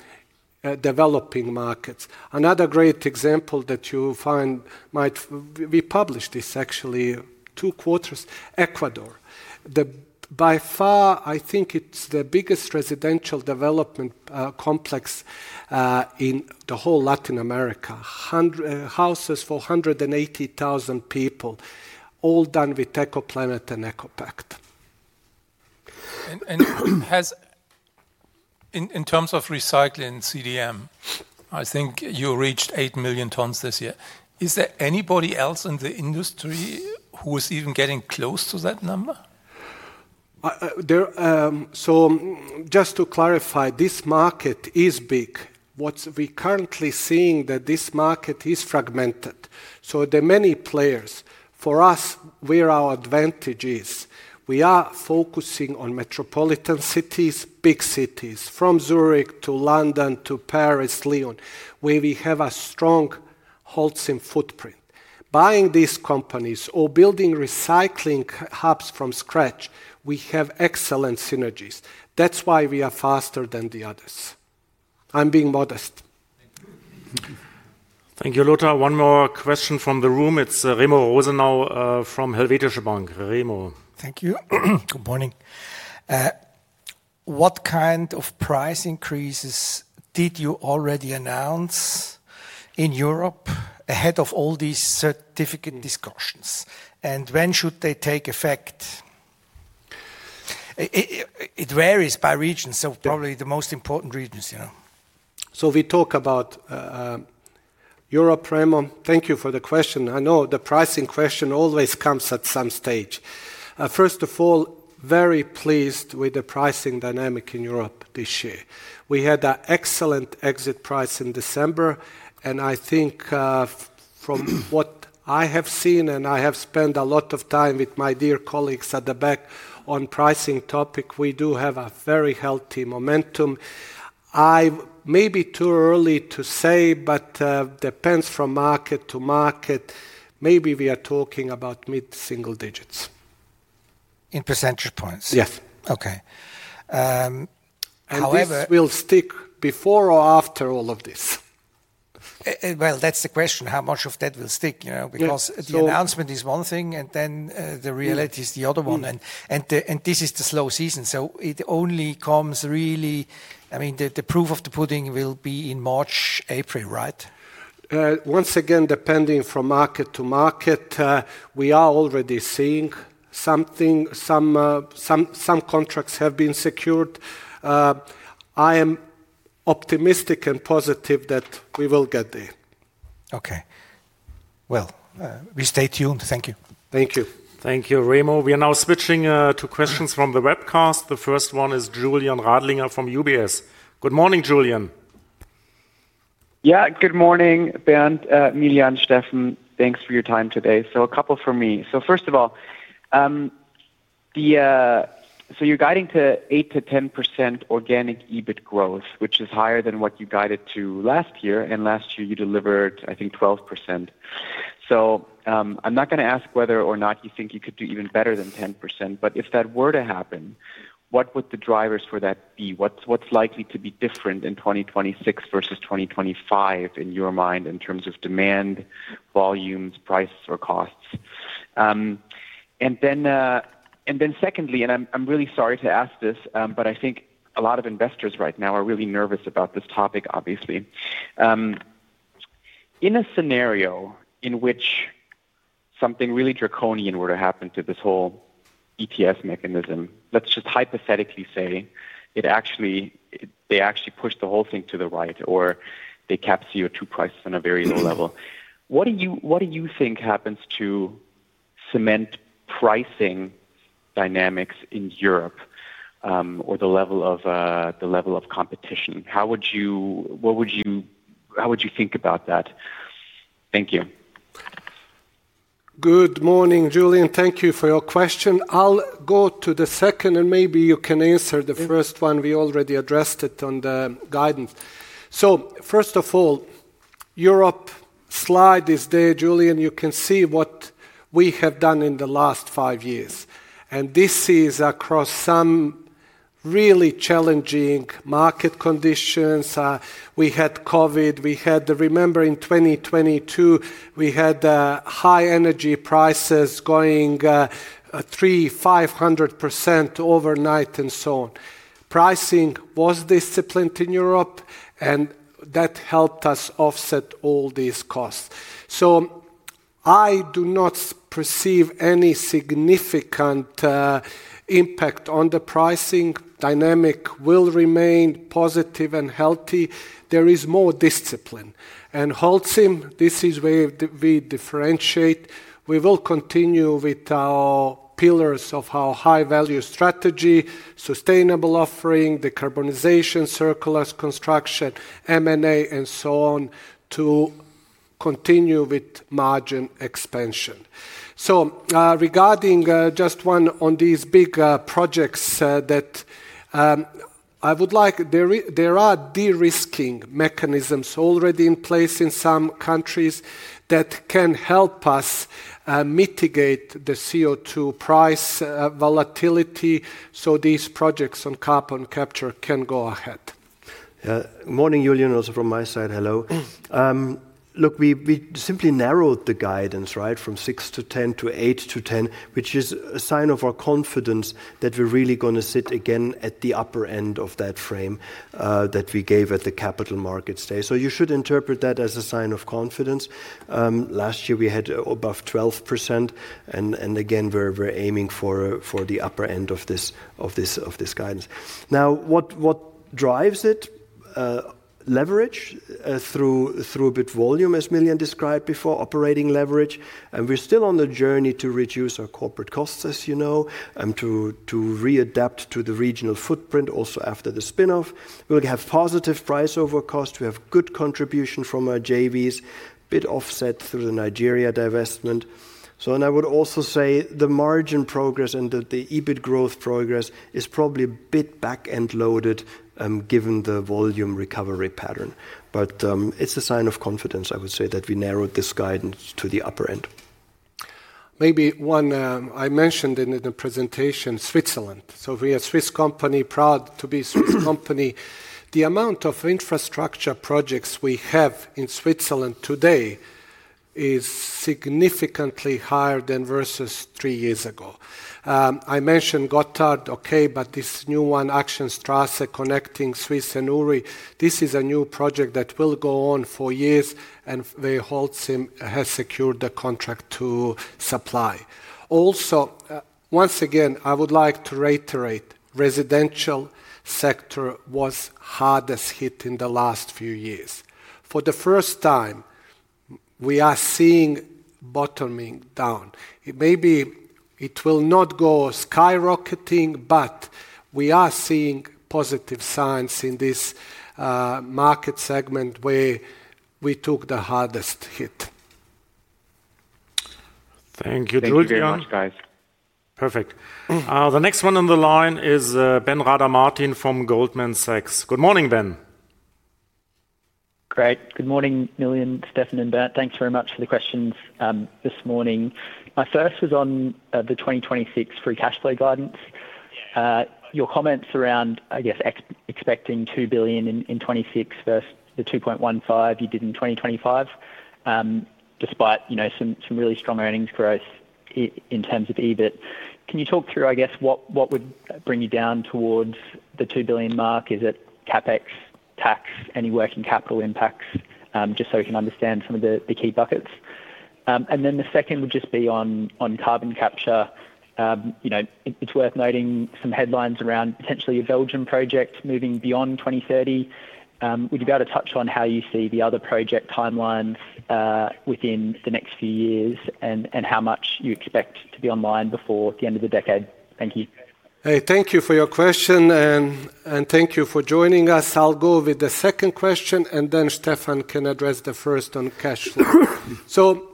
developing markets. Another great example that you find might... We published this actually two quarters. Ecuador. By far, I think it's the biggest residential development complex in the whole Latin America. Houses for 180,000 people, all done with EcoPlanet and EcoPact. In terms of recycling CDM, I think you reached 8 million tons this year. Is there anybody else in the industry who is even getting close to that number? There, just to clarify, this market is big. What's we're currently seeing that this market is fragmented, There are many players. For us, where our advantage is, we are focusing on metropolitan cities, big cities, from Zurich to London to Paris, Lyon, where we have a strong Holcim footprint. Buying these companies or building recycling hubs from scratch, we have excellent synergies. That's why we are faster than the others. I'm being modest. Thank you. Thank you, Lothar. One more question from the room. It's Remo Rosenau, from Helvetische Bank. Remo? Thank you. Good morning. What kind of price increases did you already announce in Europe ahead of all these certificate discussions, and when should they take effect? It varies by region. Yeah Probably the most important regions, you know. We talk about Europe, Remo. Thank you for the question. I know the pricing question always comes at some stage. First of all, very pleased with the pricing dynamic in Europe this year. We had an excellent exit price in December, and I think, from what I have seen, and I have spent a lot of time with my dear colleagues at the back on pricing topic, we do have a very healthy momentum. Maybe too early to say, but, depends from market to market. Maybe we are talking about mid-single digits. In percentage points? Yes. Okay. This will stick before or after all of this? Well, that's the question, how much of that will stick, you know? Yeah. The announcement is one thing, and then, the reality. Yeah is the other one. This is the slow season, so it only comes really... I mean, the proof of the pudding will be in March, April, right? Once again, depending from market to market, we are already seeing something. Some contracts have been secured. I am optimistic and positive that we will get there. Okay. Well, we stay tuned. Thank you. Thank you. Thank you, Remo. We are now switching to questions from the webcast. The first one is Julian Radlinger from UBS. Good morning, Julian. Yeah, good morning, Bernd, Miljan, Steffen. Thanks for your time today. A couple from me. First of all, you're guiding to 8 to 10% organic EBIT growth, which is higher than what you guided to last year, and last year you delivered, I think, 12%. I'm not gonna ask whether or not you think you could do even better than 10%, but if that were to happen, what would the drivers for that be? What's likely to be different in 2026 versus 2025 in your mind, in terms of demand, volumes, prices, or costs? And then secondly, and I'm really sorry to ask this, I think a lot of investors right now are really nervous about this topic, obviously. In a scenario in which something really draconian were to happen to this whole ETS mechanism, let's just hypothetically say they actually pushed the whole thing to the right, or they cap CO2 prices on a very low level. What do you think happens to cement pricing dynamics in Europe, or the level of competition? How would you think about that? Thank you. Good morning, Julian. Thank you for your question. I'll go to the second. Maybe you can answer the first one. We already addressed it on the guidance. First of all, Europe slide is there, Julian. You can see what we have done in the last five years. This is across some really challenging market conditions. We had COVID. Remember in 2022, we had high energy prices going 300 to 500% overnight and so on. Pricing was disciplined in Europe. That helped us offset all these costs. I do not perceive any significant impact on the pricing. Dynamic will remain positive and healthy. There is more discipline. Holcim, this is where we differentiate. We will continue with our pillars of our high-value strategy, sustainable offering, decarbonization, circular construction, M&A, and so on, to continue with margin expansion. Regarding, just one on these big projects, that, I would like, there are de-risking mechanisms already in place in some countries that can help us mitigate the CO2 price volatility, so these projects on carbon capture can go ahead. Morning, Julian, also from my side, hello. Look, we simply narrowed the guidance, right? From 6-10 to 8-10, which is a sign of our confidence that we're really gonna sit again at the upper end of that frame that we gave at the capital markets day. You should interpret that as a sign of confidence. Last year, we had above 12%, and again, we're aiming for the upper end of this guidance. Now, what drives it? Leverage, through a bit volume, as Miljan described before, operating leverage, and we're still on the journey to reduce our corporate costs, as you know, and to readapt to the regional footprint also after the spin-off. We'll have positive price over cost. We have good contribution from our JVs, bit offset through the Nigeria divestment. I would also say the margin progress and the EBIT growth progress is probably a bit back-end loaded, given the volume recovery pattern. It's a sign of confidence, I would say, that we narrowed this guidance to the upper end. I mentioned in the presentation, Switzerland. We're a Swiss company, proud to be a Swiss company. The amount of infrastructure projects we have in Switzerland today is significantly higher than versus three years ago. I mentioned Gotthard, okay, this new one, Axenstrasse, connecting Schwyz and Uri, this is a new project that will go on for years, and where Holcim has secured the contract to supply. Once again, I would like to reiterate, residential sector was hardest hit in the last few years. For the first time, we are seeing bottoming down. It may be it will not go skyrocketing, we are seeing positive signs in this market segment where we took the hardest hit. Thank you, Julian. Thank you very much, guys. Perfect. The next one on the line is Benjamin Rada Martin from Goldman Sachs. Good morning, Ben. Great. Good morning, Miljan, Steffen, and Bernd. Thanks very much for the questions this morning. My first was on the 2026 free cash flow guidance. Your comments around, I guess, expecting 2 billion in 2026 versus the 2.15 billion you did in 2025, despite, you know, some really strong earnings growth in terms of EBIT. Can you talk through, I guess, what would bring you down towards the 2 billion mark? Is it CapEx, tax, any working capital impacts? Just so we can understand some of the key buckets. The second would just be on carbon capture. You know, it's worth noting some headlines around potentially a Belgian project moving beyond 2030. Would you be able to touch on how you see the other project timelines within the next few years and how much you expect to be online before the end of the decade? Thank you. Hey, thank you for your question and thank you for joining us. I'll go with the second question, and then Steffen can address the first on cash flow.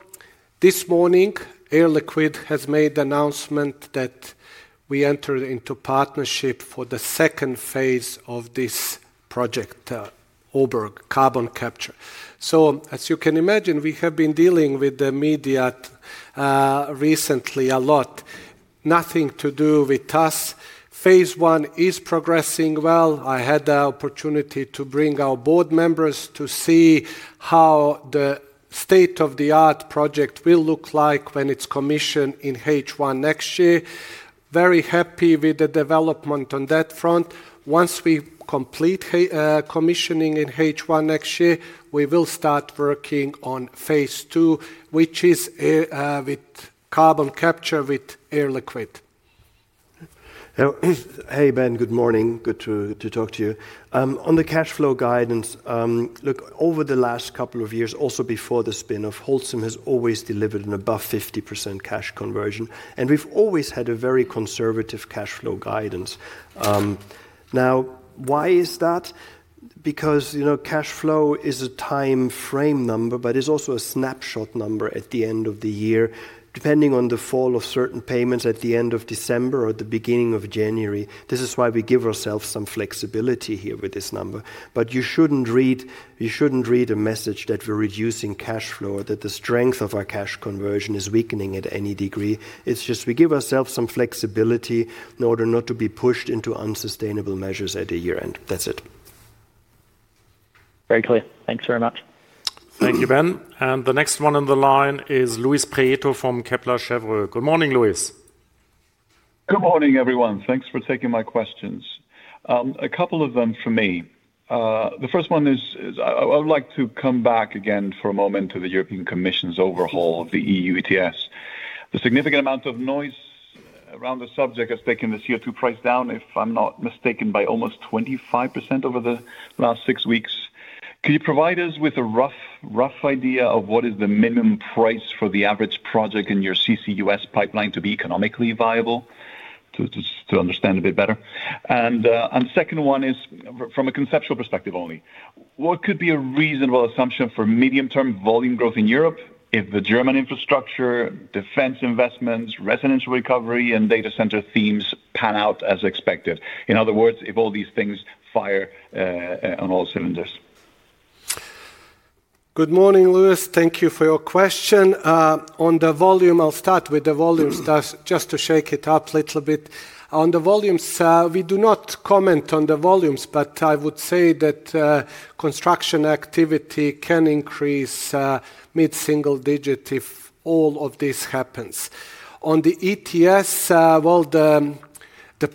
This morning, Air Liquide has made the announcement that we entered into partnership for the second phase of this project, Obourg Carbon Capture. As you can imagine, we have been dealing with the media recently a lot. Nothing to do with us. phase I is progressing well. I had the opportunity to bring our board members to see how the state-of-the-art project will look like when it's commissioned in H1 next year. Very happy with the development on that front. Once we complete commissioning in H1 next year, we will start working on phase II, which is with carbon capture with Air Liquide. Hey, Ben. Good morning. Good to talk to you. On the cash flow guidance, look, over the last couple of years, also before the spin-off, Holcim has always delivered an above 50% cash conversion, and we've always had a very conservative cash flow guidance. Now, why is that? Because, you know, cash flow is a time frame number, but it's also a snapshot number at the end of the year, depending on the fall of certain payments at the end of December or the beginning of January. This is why we give ourselves some flexibility here with this number. You shouldn't read a message that we're reducing cash flow or that the strength of our cash conversion is weakening at any degree. It's just we give ourselves some flexibility in order not to be pushed into unsustainable measures at a year-end. That's it. Very clear. Thanks very much. Thank you, Ben. The next one on the line is Luis Prieto from Kepler Cheuvreux. Good morning, Luis. Good morning, everyone. Thanks for taking my questions. A couple of them from me. The first one is, I would like to come back again for a moment to the European Commission's overhaul of the EU ETS. The significant amount of noise around the subject has taken the CO2 price down, if I'm not mistaken, by almost 25% over the last six weeks. Can you provide us with a rough idea of what is the minimum price for the average project in your CCUS pipeline to be economically viable, to understand a bit better? Second one is from a conceptual perspective only, what could be a reasonable assumption for medium-term volume growth in Europe if the German infrastructure, defense investments, residential recovery, and data center themes pan out as expected? In other words, if all these things fire on all cylinders. Good morning, Luis. Thank you for your question. On the volume, I'll start with the volume stuff just to shake it up a little bit. On the volumes, we do not comment on the volumes, but I would say that construction activity can increase mid-single digit if all of this happens. On the ETS, well, the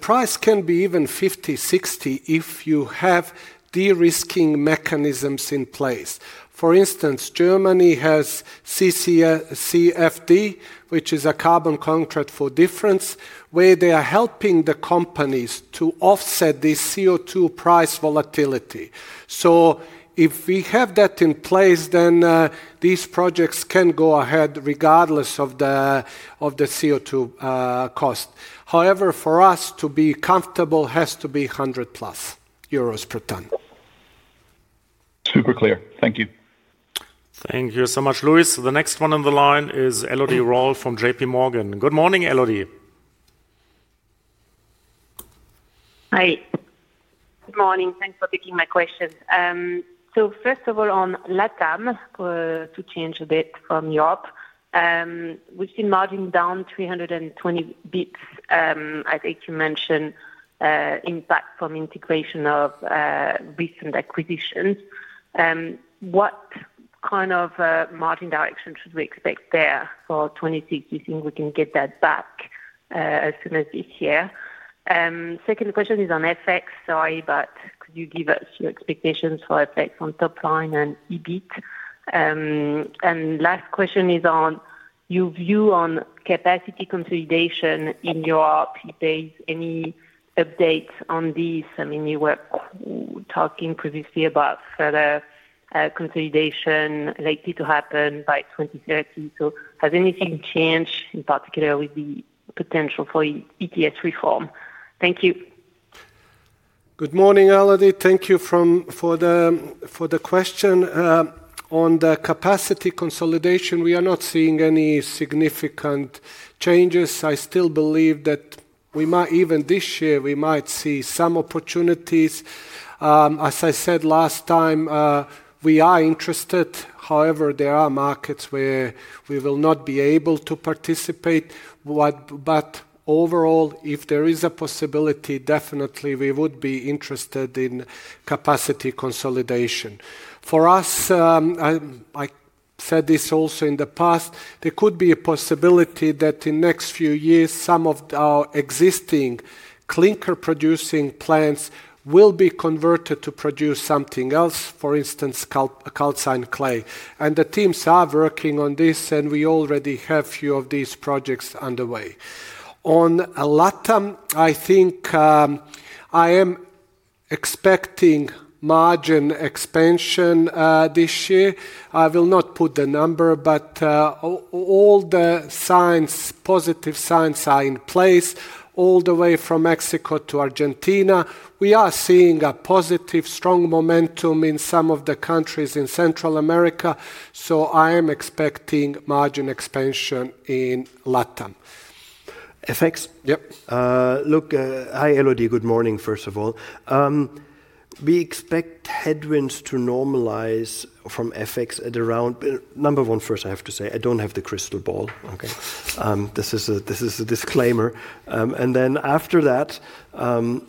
price can be even 50, 60 if you have de-risking mechanisms in place. For instance, Germany has CFD, which is a Carbon Contract for Difference, where they are helping the companies to offset the CO2 price volatility. If we have that in place, then these projects can go ahead regardless of the CO2 cost. However, for us to be comfortable has to be 100+ euros per ton. Super clear. Thank you. Thank you so much, Luis. The next one on the line is Elodie Rall from J.P. Morgan. Good morning, Elodie. Hi. Good morning. Thanks for taking my questions. First of all, on Latam, to change a bit from Europe, we've seen margin down 320 basis points. I think you mentioned impact from integration of recent acquisitions. What kind of margin direction should we expect there for 2026? You think we can get that back as soon as this year? Second question is on FX. Sorry, could you give us your expectations for FX on top line and EBIT? Last question is on your view on capacity consolidation in your days. Any updates on this? I mean, you were talking previously about further consolidation likely to happen by 2030. Has anything changed, in particular, with the potential for ETS reform? Thank you. Good morning, Elodie. Thank you for the question. On the capacity consolidation, we are not seeing any significant changes. I still believe that we might even this year, we might see some opportunities. As I said last time, we are interested. However, there are markets where we will not be able to participate. But overall, if there is a possibility, definitely we would be interested in capacity consolidation. For us, I said this also in the past, there could be a possibility that in next few years, some of our existing clinker-producing plants will be converted to produce something else, for instance, calcined clay. The teams are working on this, and we already have few of these projects underway. On a Latam, I think, I am expecting margin expansion this year. I will not put the number, all the signs, positive signs are in place all the way from Mexico to Argentina. We are seeing a positive, strong momentum in some of the countries in Central America, I am expecting margin expansion in Latam. FX? Yep. Hi, Elodie. Good morning, first of all. We expect headwinds to normalize from FX. Number one, first, I have to say, I don't have the crystal ball, okay? This is a disclaimer. And then after that,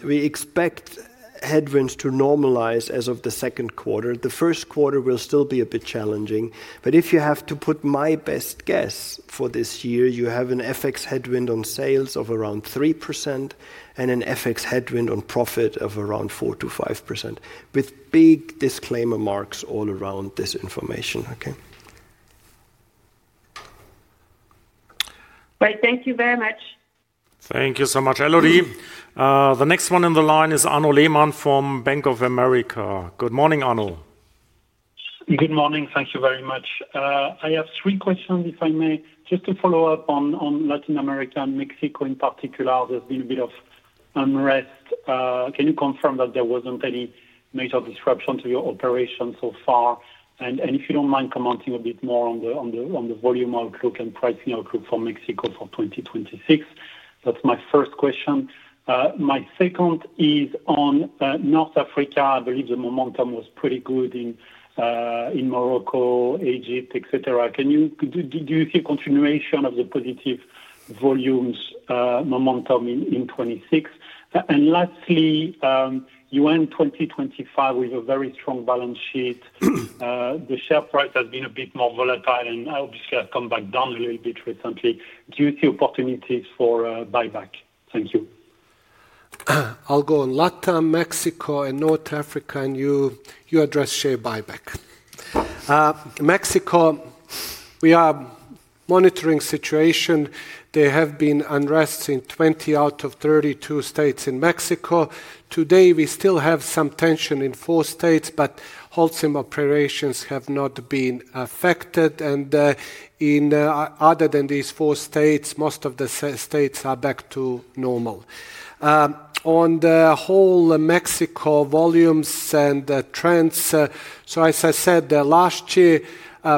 we expect headwinds to normalize as of the Q2. The Q1 will still be a bit challenging, but if you have to put my best guess for this year, you have an FX headwind on sales of around 3% and an FX headwind on profit of around 4 to 5%, with big disclaimer marks all around this information. Okay? Great. Thank you very much. Thank you so much, Elodie. The next one on the line is Arno Lehmann from Bank of America. Good morning, Arno. Good morning. Thank you very much. I have three questions, if I may. Just to follow up on Latin America and Mexico in particular, there's been a bit of unrest. Can you confirm that there wasn't any major disruption to your operation so far? If you don't mind commenting a bit more on the volume outlook and pricing outlook for Mexico for 2026. That's my first question. My second is on North Africa. I believe the momentum was pretty good in Morocco, Egypt, et cetera. Do you see continuation of the positive volumes momentum in 2026? Lastly, you end 2025 with a very strong balance sheet. The share price has been a bit more volatile, and obviously has come back down a little bit recently. Do you see opportunities for, buyback? Thank you. I'll go on Latam, Mexico and North Africa. You, you address share buyback. Mexico, we are monitoring situation. There have been unrest in 20 out of 32 states in Mexico. Today, we still have some tension in 4 states. Holcim operations have not been affected. Other than these 4 states, most of the states are back to normal. On the whole, Mexico volumes and the trends, as I said, the last year,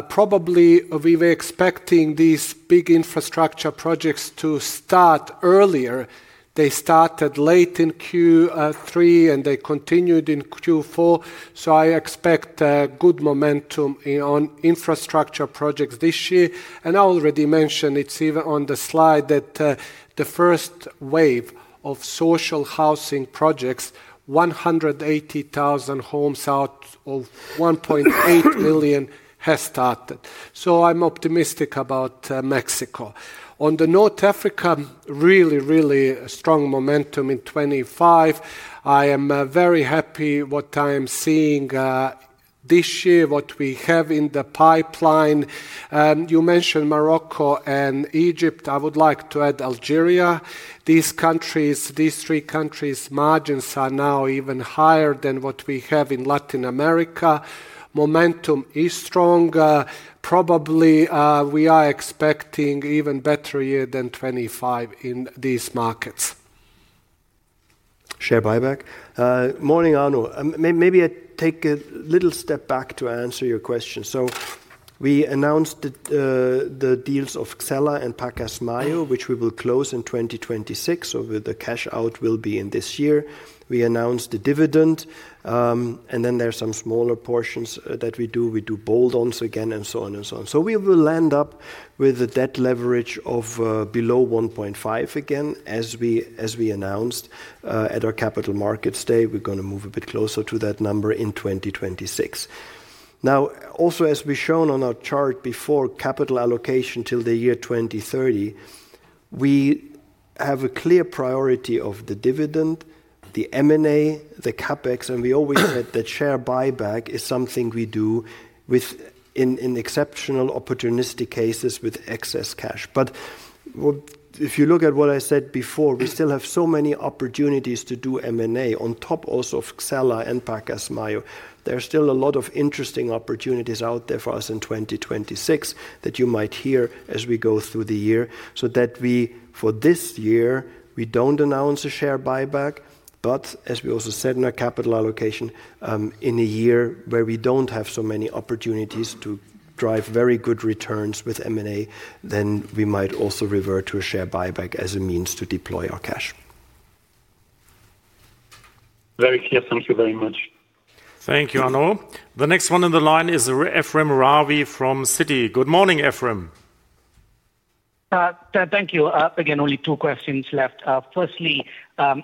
probably we were expecting these big infrastructure projects to start earlier. They started late in Q3, and they continued in Q4. I expect good momentum on infrastructure projects this year. I already mentioned, it's even on the slide, that the first wave of social housing projects, 180,000 homes out of 1.8 million has started. I'm optimistic about Mexico. On the North Africa, really strong momentum in 25. I am very happy what I am seeing this year, what we have in the pipeline. You mentioned Morocco and Egypt, I would like to add Algeria. These three countries, margins are now even higher than what we have in Latin America. Momentum is strong. Probably, we are expecting even better year than 25 in these markets. Share buyback? Morning, Arno. Maybe I take a little step back to answer your question. We announced the deals of Xella and Pacasmayo, which we will close in 2026, the cash out will be in this year. We announced the dividend, there are some smaller portions that we do. We do bolt-ons again, so on and so on. We will end up with a debt leverage of below 1.5 again, as we announced at our Capital Markets Day. We're gonna move a bit closer to that number in 2026. Now, also, as we've shown on our chart before, capital allocation till the year 2030, we have a clear priority of the dividend, the M&A, the CapEx, and we always said that share buyback is something we do in exceptional opportunistic cases with excess cash. If you look at what I said before, we still have so many opportunities to do M&A on top also of Xella and Pacasmayo. There are still a lot of interesting opportunities out there for us in 2026, that you might hear as we go through the year, we, for this year, we don't announce a share buyback. As we also said in our capital allocation, in a year where we don't have so many opportunities to drive very good returns with M&A, then we might also revert to a share buyback as a means to deploy our cash. Very clear. Thank you very much. Thank you, Arnaud. The next one on the line is Ephrem Ravi from Citi. Good morning, Ephrem. Thank you. Again, only two questions left. Firstly,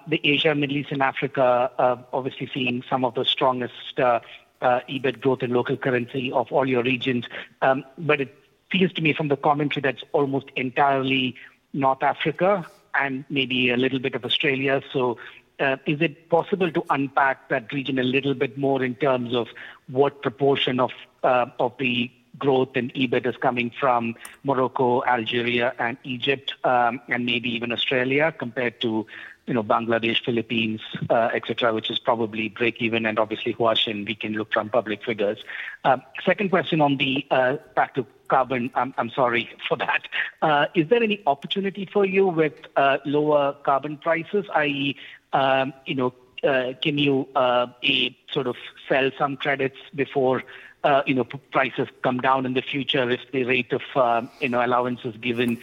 the Asia, Middle East, and Africa, obviously seeing some of the strongest EBIT growth in local currency of all your regions. It feels to me from the commentary that's almost entirely North Africa and maybe a little bit of Australia. Is it possible to unpack that region a little bit more in terms of what proportion of the growth and EBIT is coming from Morocco, Algeria, and Egypt, and maybe even Australia, compared to, you know, Bangladesh, Philippines, et cetera, which is probably break even and obviously Huaxin Cement, we can look from public figures? Second question on the back to carbon. I'm sorry for that. Is there any opportunity for you with lower carbon prices, i.e., you know, can you sort of sell some credits before you know, prices come down in the future if the rate of you know, allowances given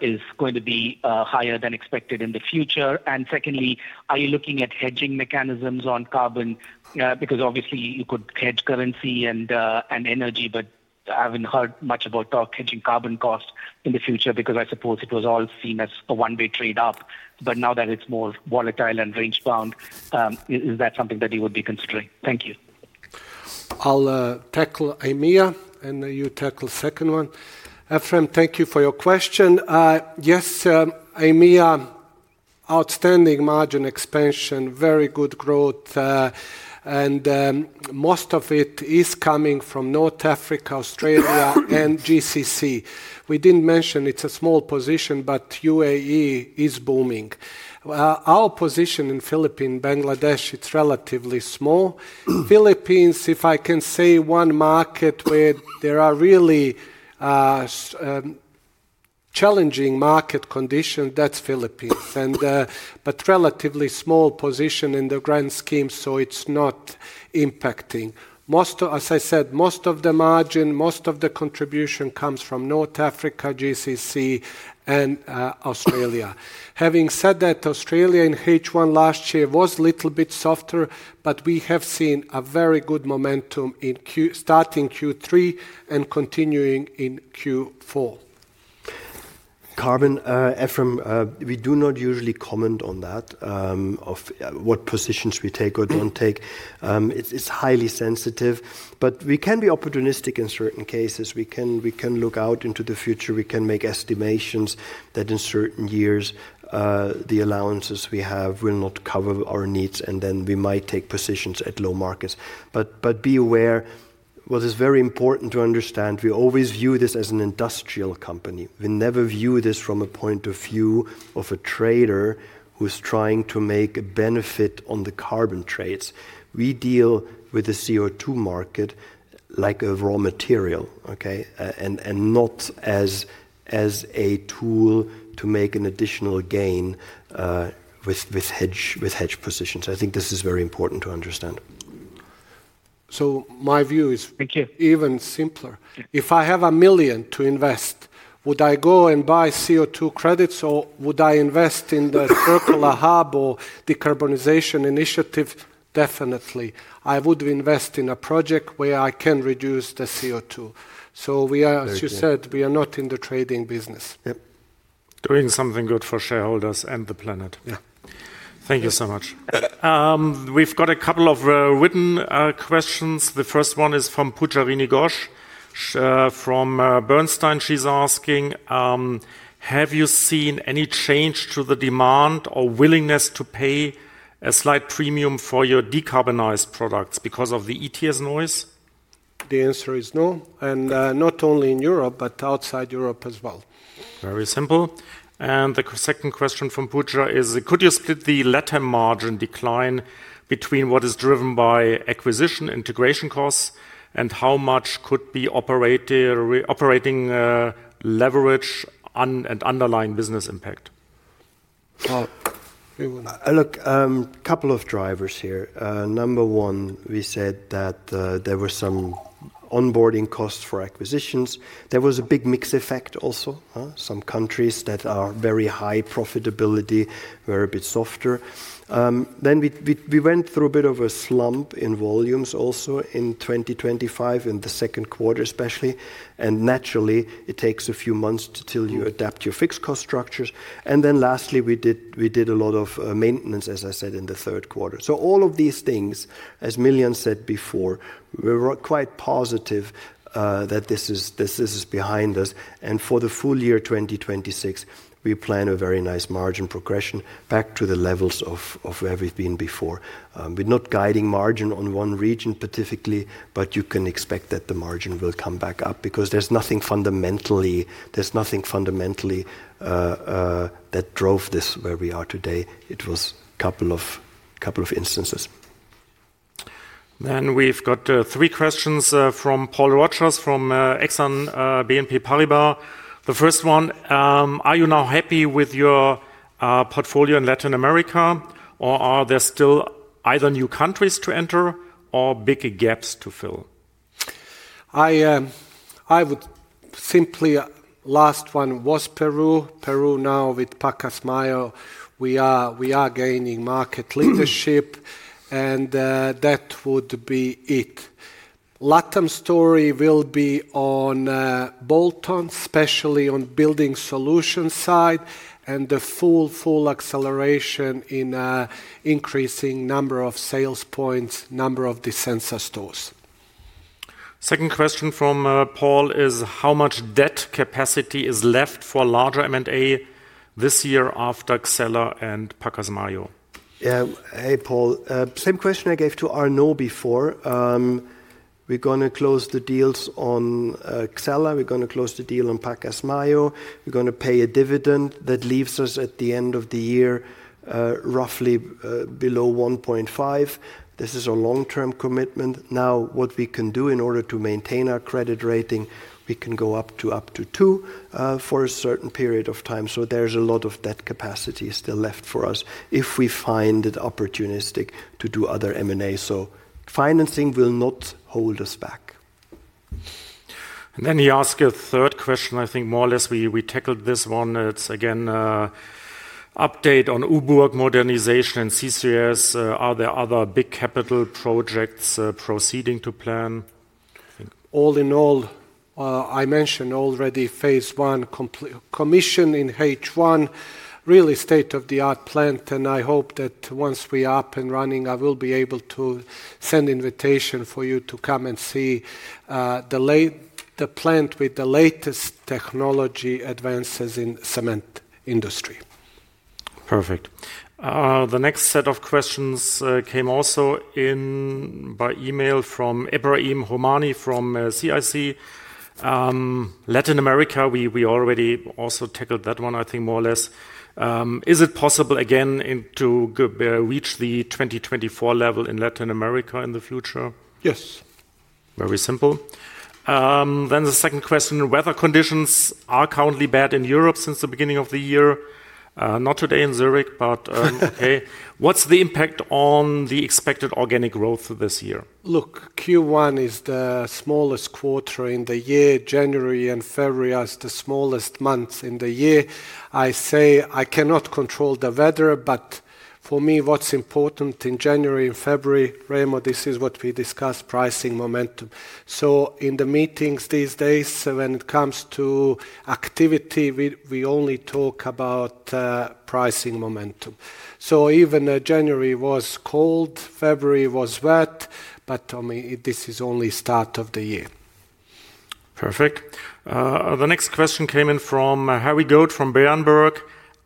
is going to be higher than expected in the future? Secondly, are you looking at hedging mechanisms on carbon? Because obviously you could hedge currency and energy, but I haven't heard much about talk hedging carbon cost in the future, because I suppose it was all seen as a one-way trade up. Now that it's more volatile and range-bound, is that something that you would be considering? Thank you. I'll tackle AMEA, and you tackle second one. Ephrem, thank you for your question. Yes, AMEA, outstanding margin expansion, very good growth, and most of it is coming from North Africa, Australia, and GCC. We didn't mention it's a small position, but UAE is booming. Our position in Philippines, Bangladesh, it's relatively small. Philippines, if I can say one market where there are really challenging market conditions, that's Philippines. But relatively small position in the grand scheme, so it's not impacting. Most as I said, most of the margin, most of the contribution comes from North Africa, GCC, and Australia. Having said that, Australia in H1 last year was little bit softer, but we have seen a very good momentum in starting Q3 and continuing in Q4. Carbon, Ephrem, we do not usually comment on that, of what positions we take or don't take. It's highly sensitive, we can be opportunistic in certain cases. We can look out into the future. We can make estimations that in certain years, the allowances we have will not cover our needs, and then we might take positions at low markets. Be aware, what is very important to understand, we always view this as an industrial company. We never view this from a point of view of a trader who's trying to make a benefit on the carbon trades. We deal with the CO2 market like a raw material, okay? Not as a tool to make an additional gain with hedge positions. I think this is very important to understand. My view. Thank you.... even simpler. Yeah. If I have 1 million to invest, would I go and buy CO2 credits, or would I invest in the Portland hub or decarbonization initiative? Definitely, I would invest in a project where I can reduce the CO2. Very true. as you said, we are not in the trading business. Yep. Doing something good for shareholders and the planet. Yeah. Thank you so much. We've got a couple of written questions. The first one is from Pujarini Ghosh from Bernstein. She's asking: "Have you seen any change to the demand or willingness to pay a slight premium for your decarbonized products because of the ETS noise? The answer is no, not only in Europe, but outside Europe as well. Very simple. The second question from Pooja is: "Could you split the LatAm margin decline between what is driven by acquisition integration costs, and how much could be operating leverage on and underlying business impact? Well, Look, a couple of drivers here. Number one, we said that there were some onboarding costs for acquisitions. There was a big mix effect also, huh? Some countries that are very high profitability were a bit softer. Then we went through a bit of a slump in volumes also in 2025, in the Q2, especially. Naturally, it takes a few months to, till you adapt your fixed cost structures. Lastly, we did a lot of maintenance, as I said, in the Q3. All of these things, as Miljan said before, we're quite positive that this is behind us. For the full year 2026, we plan a very nice margin progression back to the levels of where we've been before. We're not guiding margin on one region specifically, you can expect that the margin will come back up because there's nothing fundamentally that drove this where we are today. It was couple of instances. We've got three questions from Paul Roger, from Exane BNP Paribas. The first one: Are you now happy with your portfolio in Latin America, or are there still either new countries to enter or big gaps to fill? I would simply... Last one was Peru. Peru now with Pacasmayo, we are gaining market leadership, and that would be it. Latam story will be on bolt-on, especially on building solution side, and the full acceleration in increasing number of sales points, number of Disensa stores. Second question from Paul is: How much debt capacity is left for larger M&A this year after Xella and Pacasmayo? Yeah. Hey, Paul. Same question I gave to Arnaud before. We're gonna close the deals on Xella, we're gonna close the deal on Pacasmayo. We're gonna pay a dividend. That leaves us at the end of the year, roughly, below 1.5. This is a long-term commitment. What we can do in order to maintain our credit rating, we can go up to 2 for a certain period of time. There's a lot of debt capacity still left for us if we find it opportunistic to do other M&A. Financing will not hold us back. Then he asked a third question. I think more or less, we tackled this one. It's again, update on Obourg work modernization and CCS. Are there other big capital projects proceeding to plan? All in all, I mentioned already phase I commission in H1, really state-of-the-art plant. I hope that once we're up and running, I will be able to send invitation for you to come and see the plant with the latest technology advances in cement industry. Perfect. The next set of questions came also in by email from Yassine Touahri, from CIC. Latin America, we already also tackled that one, I think, more or less. Is it possible again, in to reach the 2024 level in Latin America in the future? Yes. Very simple. The second question, weather conditions are currently bad in Europe since the beginning of the year. Not today in Zurich, but, okay. What's the impact on the expected organic growth this year? Look, Q1 is the smallest quarter in the year. January and February are the smallest months in the year. I say I cannot control the weather, but for me, what's important in January and February, Remo, this is what we discussed, pricing momentum. In the meetings these days, when it comes to activity, we only talk about pricing momentum. Even January was cold, February was wet, but to me, this is only start of the year. Perfect. The next question came in from Harry Dow from Berenberg.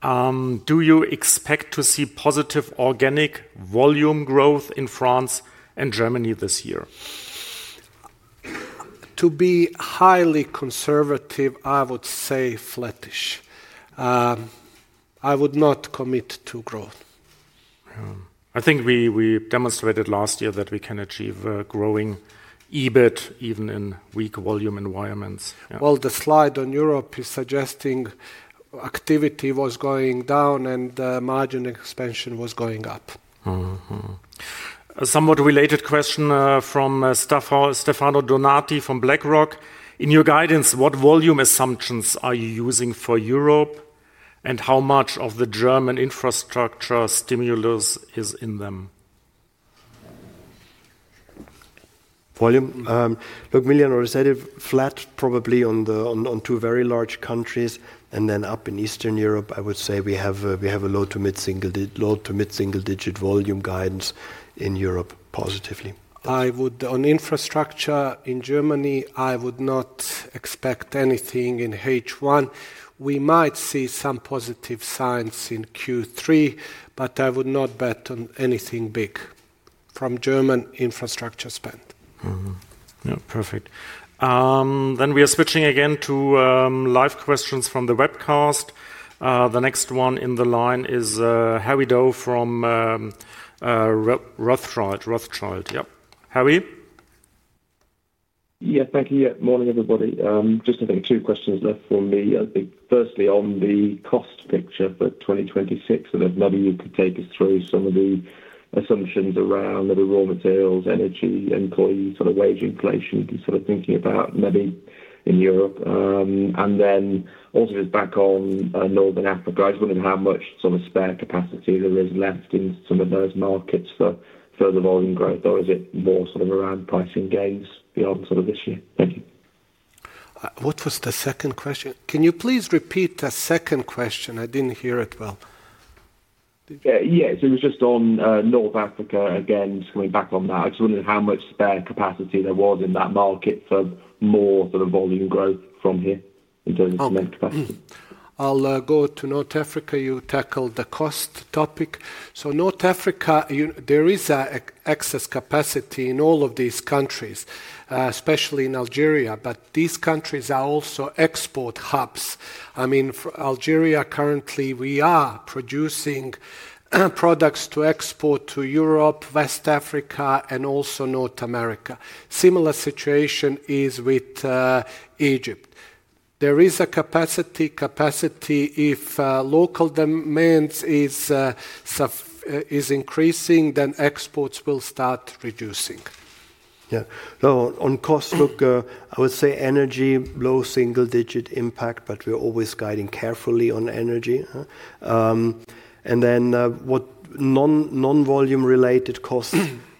Do you expect to see positive organic volume growth in France and Germany this year? To be highly conservative, I would say flattish. I would not commit to growth. I think we demonstrated last year that we can achieve growing EBIT even in weak volume environments. Well, the slide on Europe is suggesting activity was going down and margin expansion was going up. A somewhat related question, from Steffan Donati from BlackRock: In your guidance, what volume assumptions are you using for Europe? How much of the German infrastructure stimulus is in them? Volume, look, Miljan, or is it flat, probably on the two very large countries, and then up in Eastern Europe, I would say we have a low to mid single digit volume guidance in Europe, positively. I would, on infrastructure in Germany, I would not expect anything in H1. We might see some positive signs in Q3, but I would not bet on anything big from German infrastructure spend. Yeah, perfect. We are switching again to live questions from the webcast. The next one in the line is Harry Dow from Rothschild. Yep. Harry? Thank you. Morning, everybody. Just I think 2 questions left from me. I think firstly, on the cost picture for 2026, if maybe you could take us through some of the assumptions around the raw materials, energy, employee, sort of wage inflation, sort of thinking about maybe in Europe. Also just back on Northern Africa, I was wondering how much sort of spare capacity there is left in some of those markets for further volume growth, or is it more sort of around pricing gains beyond sort of this year? Thank you. What was the second question? Can you please repeat the second question? I didn't hear it well. Yeah. Yes, it was just on, North Africa. Again, just coming back on that, I just wondered how much spare capacity there was in that market for more sort of volume growth from here in terms of cement capacity? I'll go to North Africa. You tackled the cost topic. North Africa, there is excess capacity in all of these countries, especially in Algeria, but these countries are also export hubs. I mean, for Algeria, currently, we are producing products to export to Europe, West Africa, and also North America. Similar situation is with Egypt. There is a capacity, if local demands is increasing, exports will start reducing. Yeah. No, on cost, look, I would say energy, low single-digit impact, but we're always guiding carefully on energy, huh? What non-volume related costs,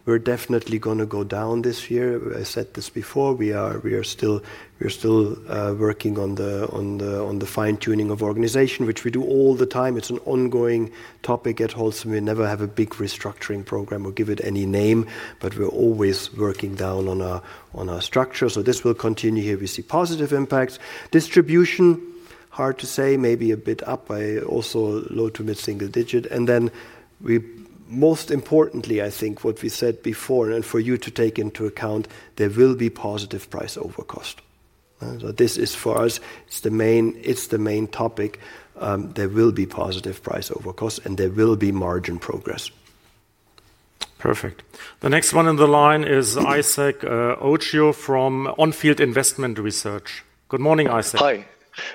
we're definitely gonna go down this year. I said this before, we are still working on the fine-tuning of organization, which we do all the time. It's an ongoing topic at Holcim. We never have a big restructuring program or give it any name, but we're always working down on our structure. This will continue. Here we see positive impacts. Distribution, hard to say, maybe a bit up by also low to mid single digit. Most importantly, I think what we said before, and for you to take into account, there will be positive price overcost. This is for us, it's the main topic. There will be positive price overcost, and there will be margin progress. Perfect. The next one on the line is Yassine Authier from On Field Investment Research. Good morning, Yassine. Hi,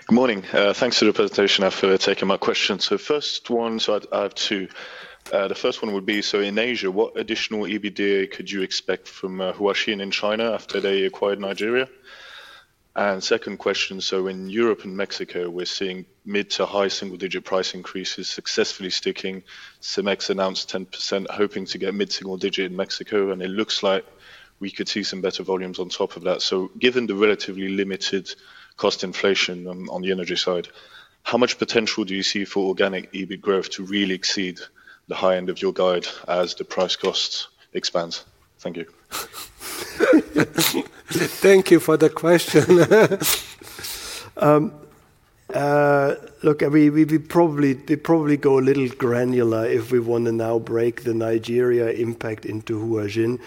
good morning. Thanks for the presentation and for taking my question. I have two. The first one would be: In Asia, what additional EBITDA could you expect from Huaxin in China after they acquired Nigeria? Second question: In Europe and Mexico, we're seeing mid to high single-digit price increases successfully sticking. Cemex announced 10%, hoping to get mid single-digit in Mexico, and it looks like we could see some better volumes on top of that. Given the relatively limited cost inflation on the energy side, how much potential do you see for organic EBIT growth to really exceed the high end of your guide as the price cost expands? Thank you. Thank you for the question. look, I mean, we probably go a little granular if we want to now break the Nigeria impact into Huaxin.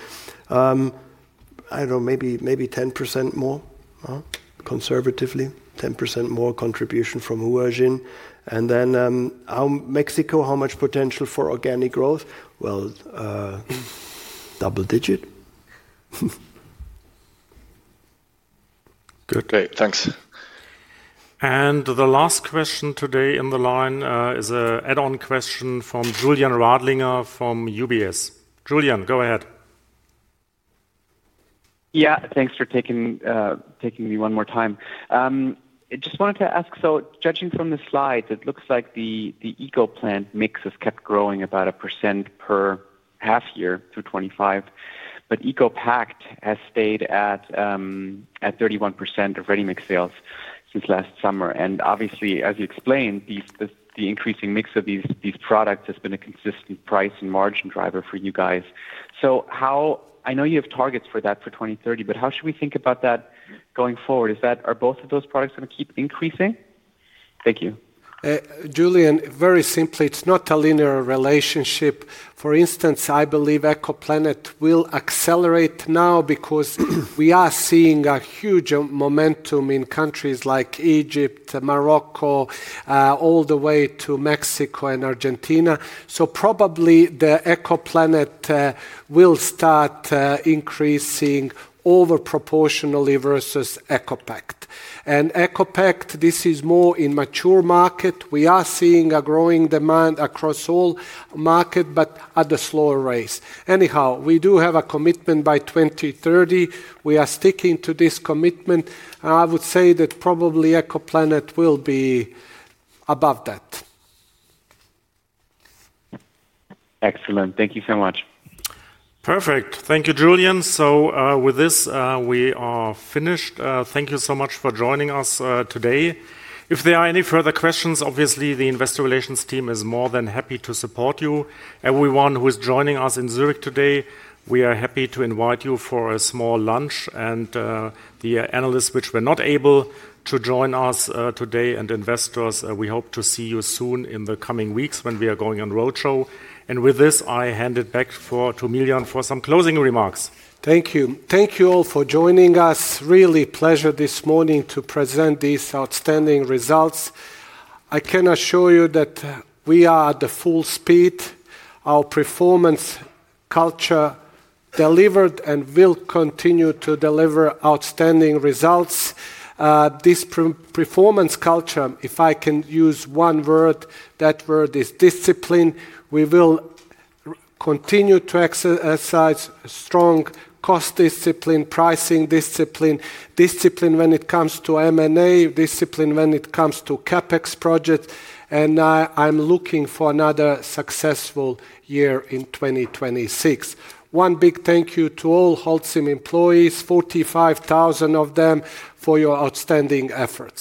I don't know, maybe 10% more, huh? Conservatively, 10% more contribution from Huaxin. Mexico, how much potential for organic growth? Well, double digit. Good. Great, thanks. The last question today on the line, is a add-on question from Julian Radlinger from UBS. Julian, go ahead. Yeah, thanks for taking me one more time. I just wanted to ask, judging from the slides, it looks like the ECOPlanet mix has kept growing about 1% per half year through 2025, but ECOPACT has stayed at 31% of ready-mix sales since last summer. Obviously, as you explained, the increasing mix of these products has been a consistent price and margin driver for you guys. I know you have targets for that for 2030, but how should we think about that going forward? Are both of those products going to keep increasing? Thank you. Julian, very simply, it's not a linear relationship. For instance, I believe ECOPLANET will accelerate now because we are seeing a huge momentum in countries like Egypt, Morocco, all the way to Mexico and Argentina. Probably, the ECOPLANET will start increasing over proportionally versus ECOPACT. ECOPACT, this is more in mature market. We are seeing a growing demand across all market, but at a slower rate. Anyhow, we do have a commitment by 2030. We are sticking to this commitment. I would say that probably ECOPLANET will be above that. Excellent. Thank you so much. Perfect. Thank you, Julian. With this, we are finished. Thank you so much for joining us today. If there are any further questions, obviously, the investor relations team is more than happy to support you. Everyone who is joining us in Zurich today, we are happy to invite you for a small lunch. The analysts which were not able to join us today and investors, we hope to see you soon in the coming weeks when we are going on roadshow. With this, I hand it back to Miljan for some closing remarks. Thank you. Thank you all for joining us. Really pleasure this morning to present these outstanding results. I can assure you that we are at the full speed. Our performance culture delivered and will continue to deliver outstanding results. This performance culture, if I can use one word, that word is discipline. We will continue to exercise strong cost discipline, pricing discipline when it comes to M&A, discipline when it comes to CapEx projects, and I'm looking for another successful year in 2026. One big thank you to all Holcim employees, 45,000 of them, for your outstanding efforts.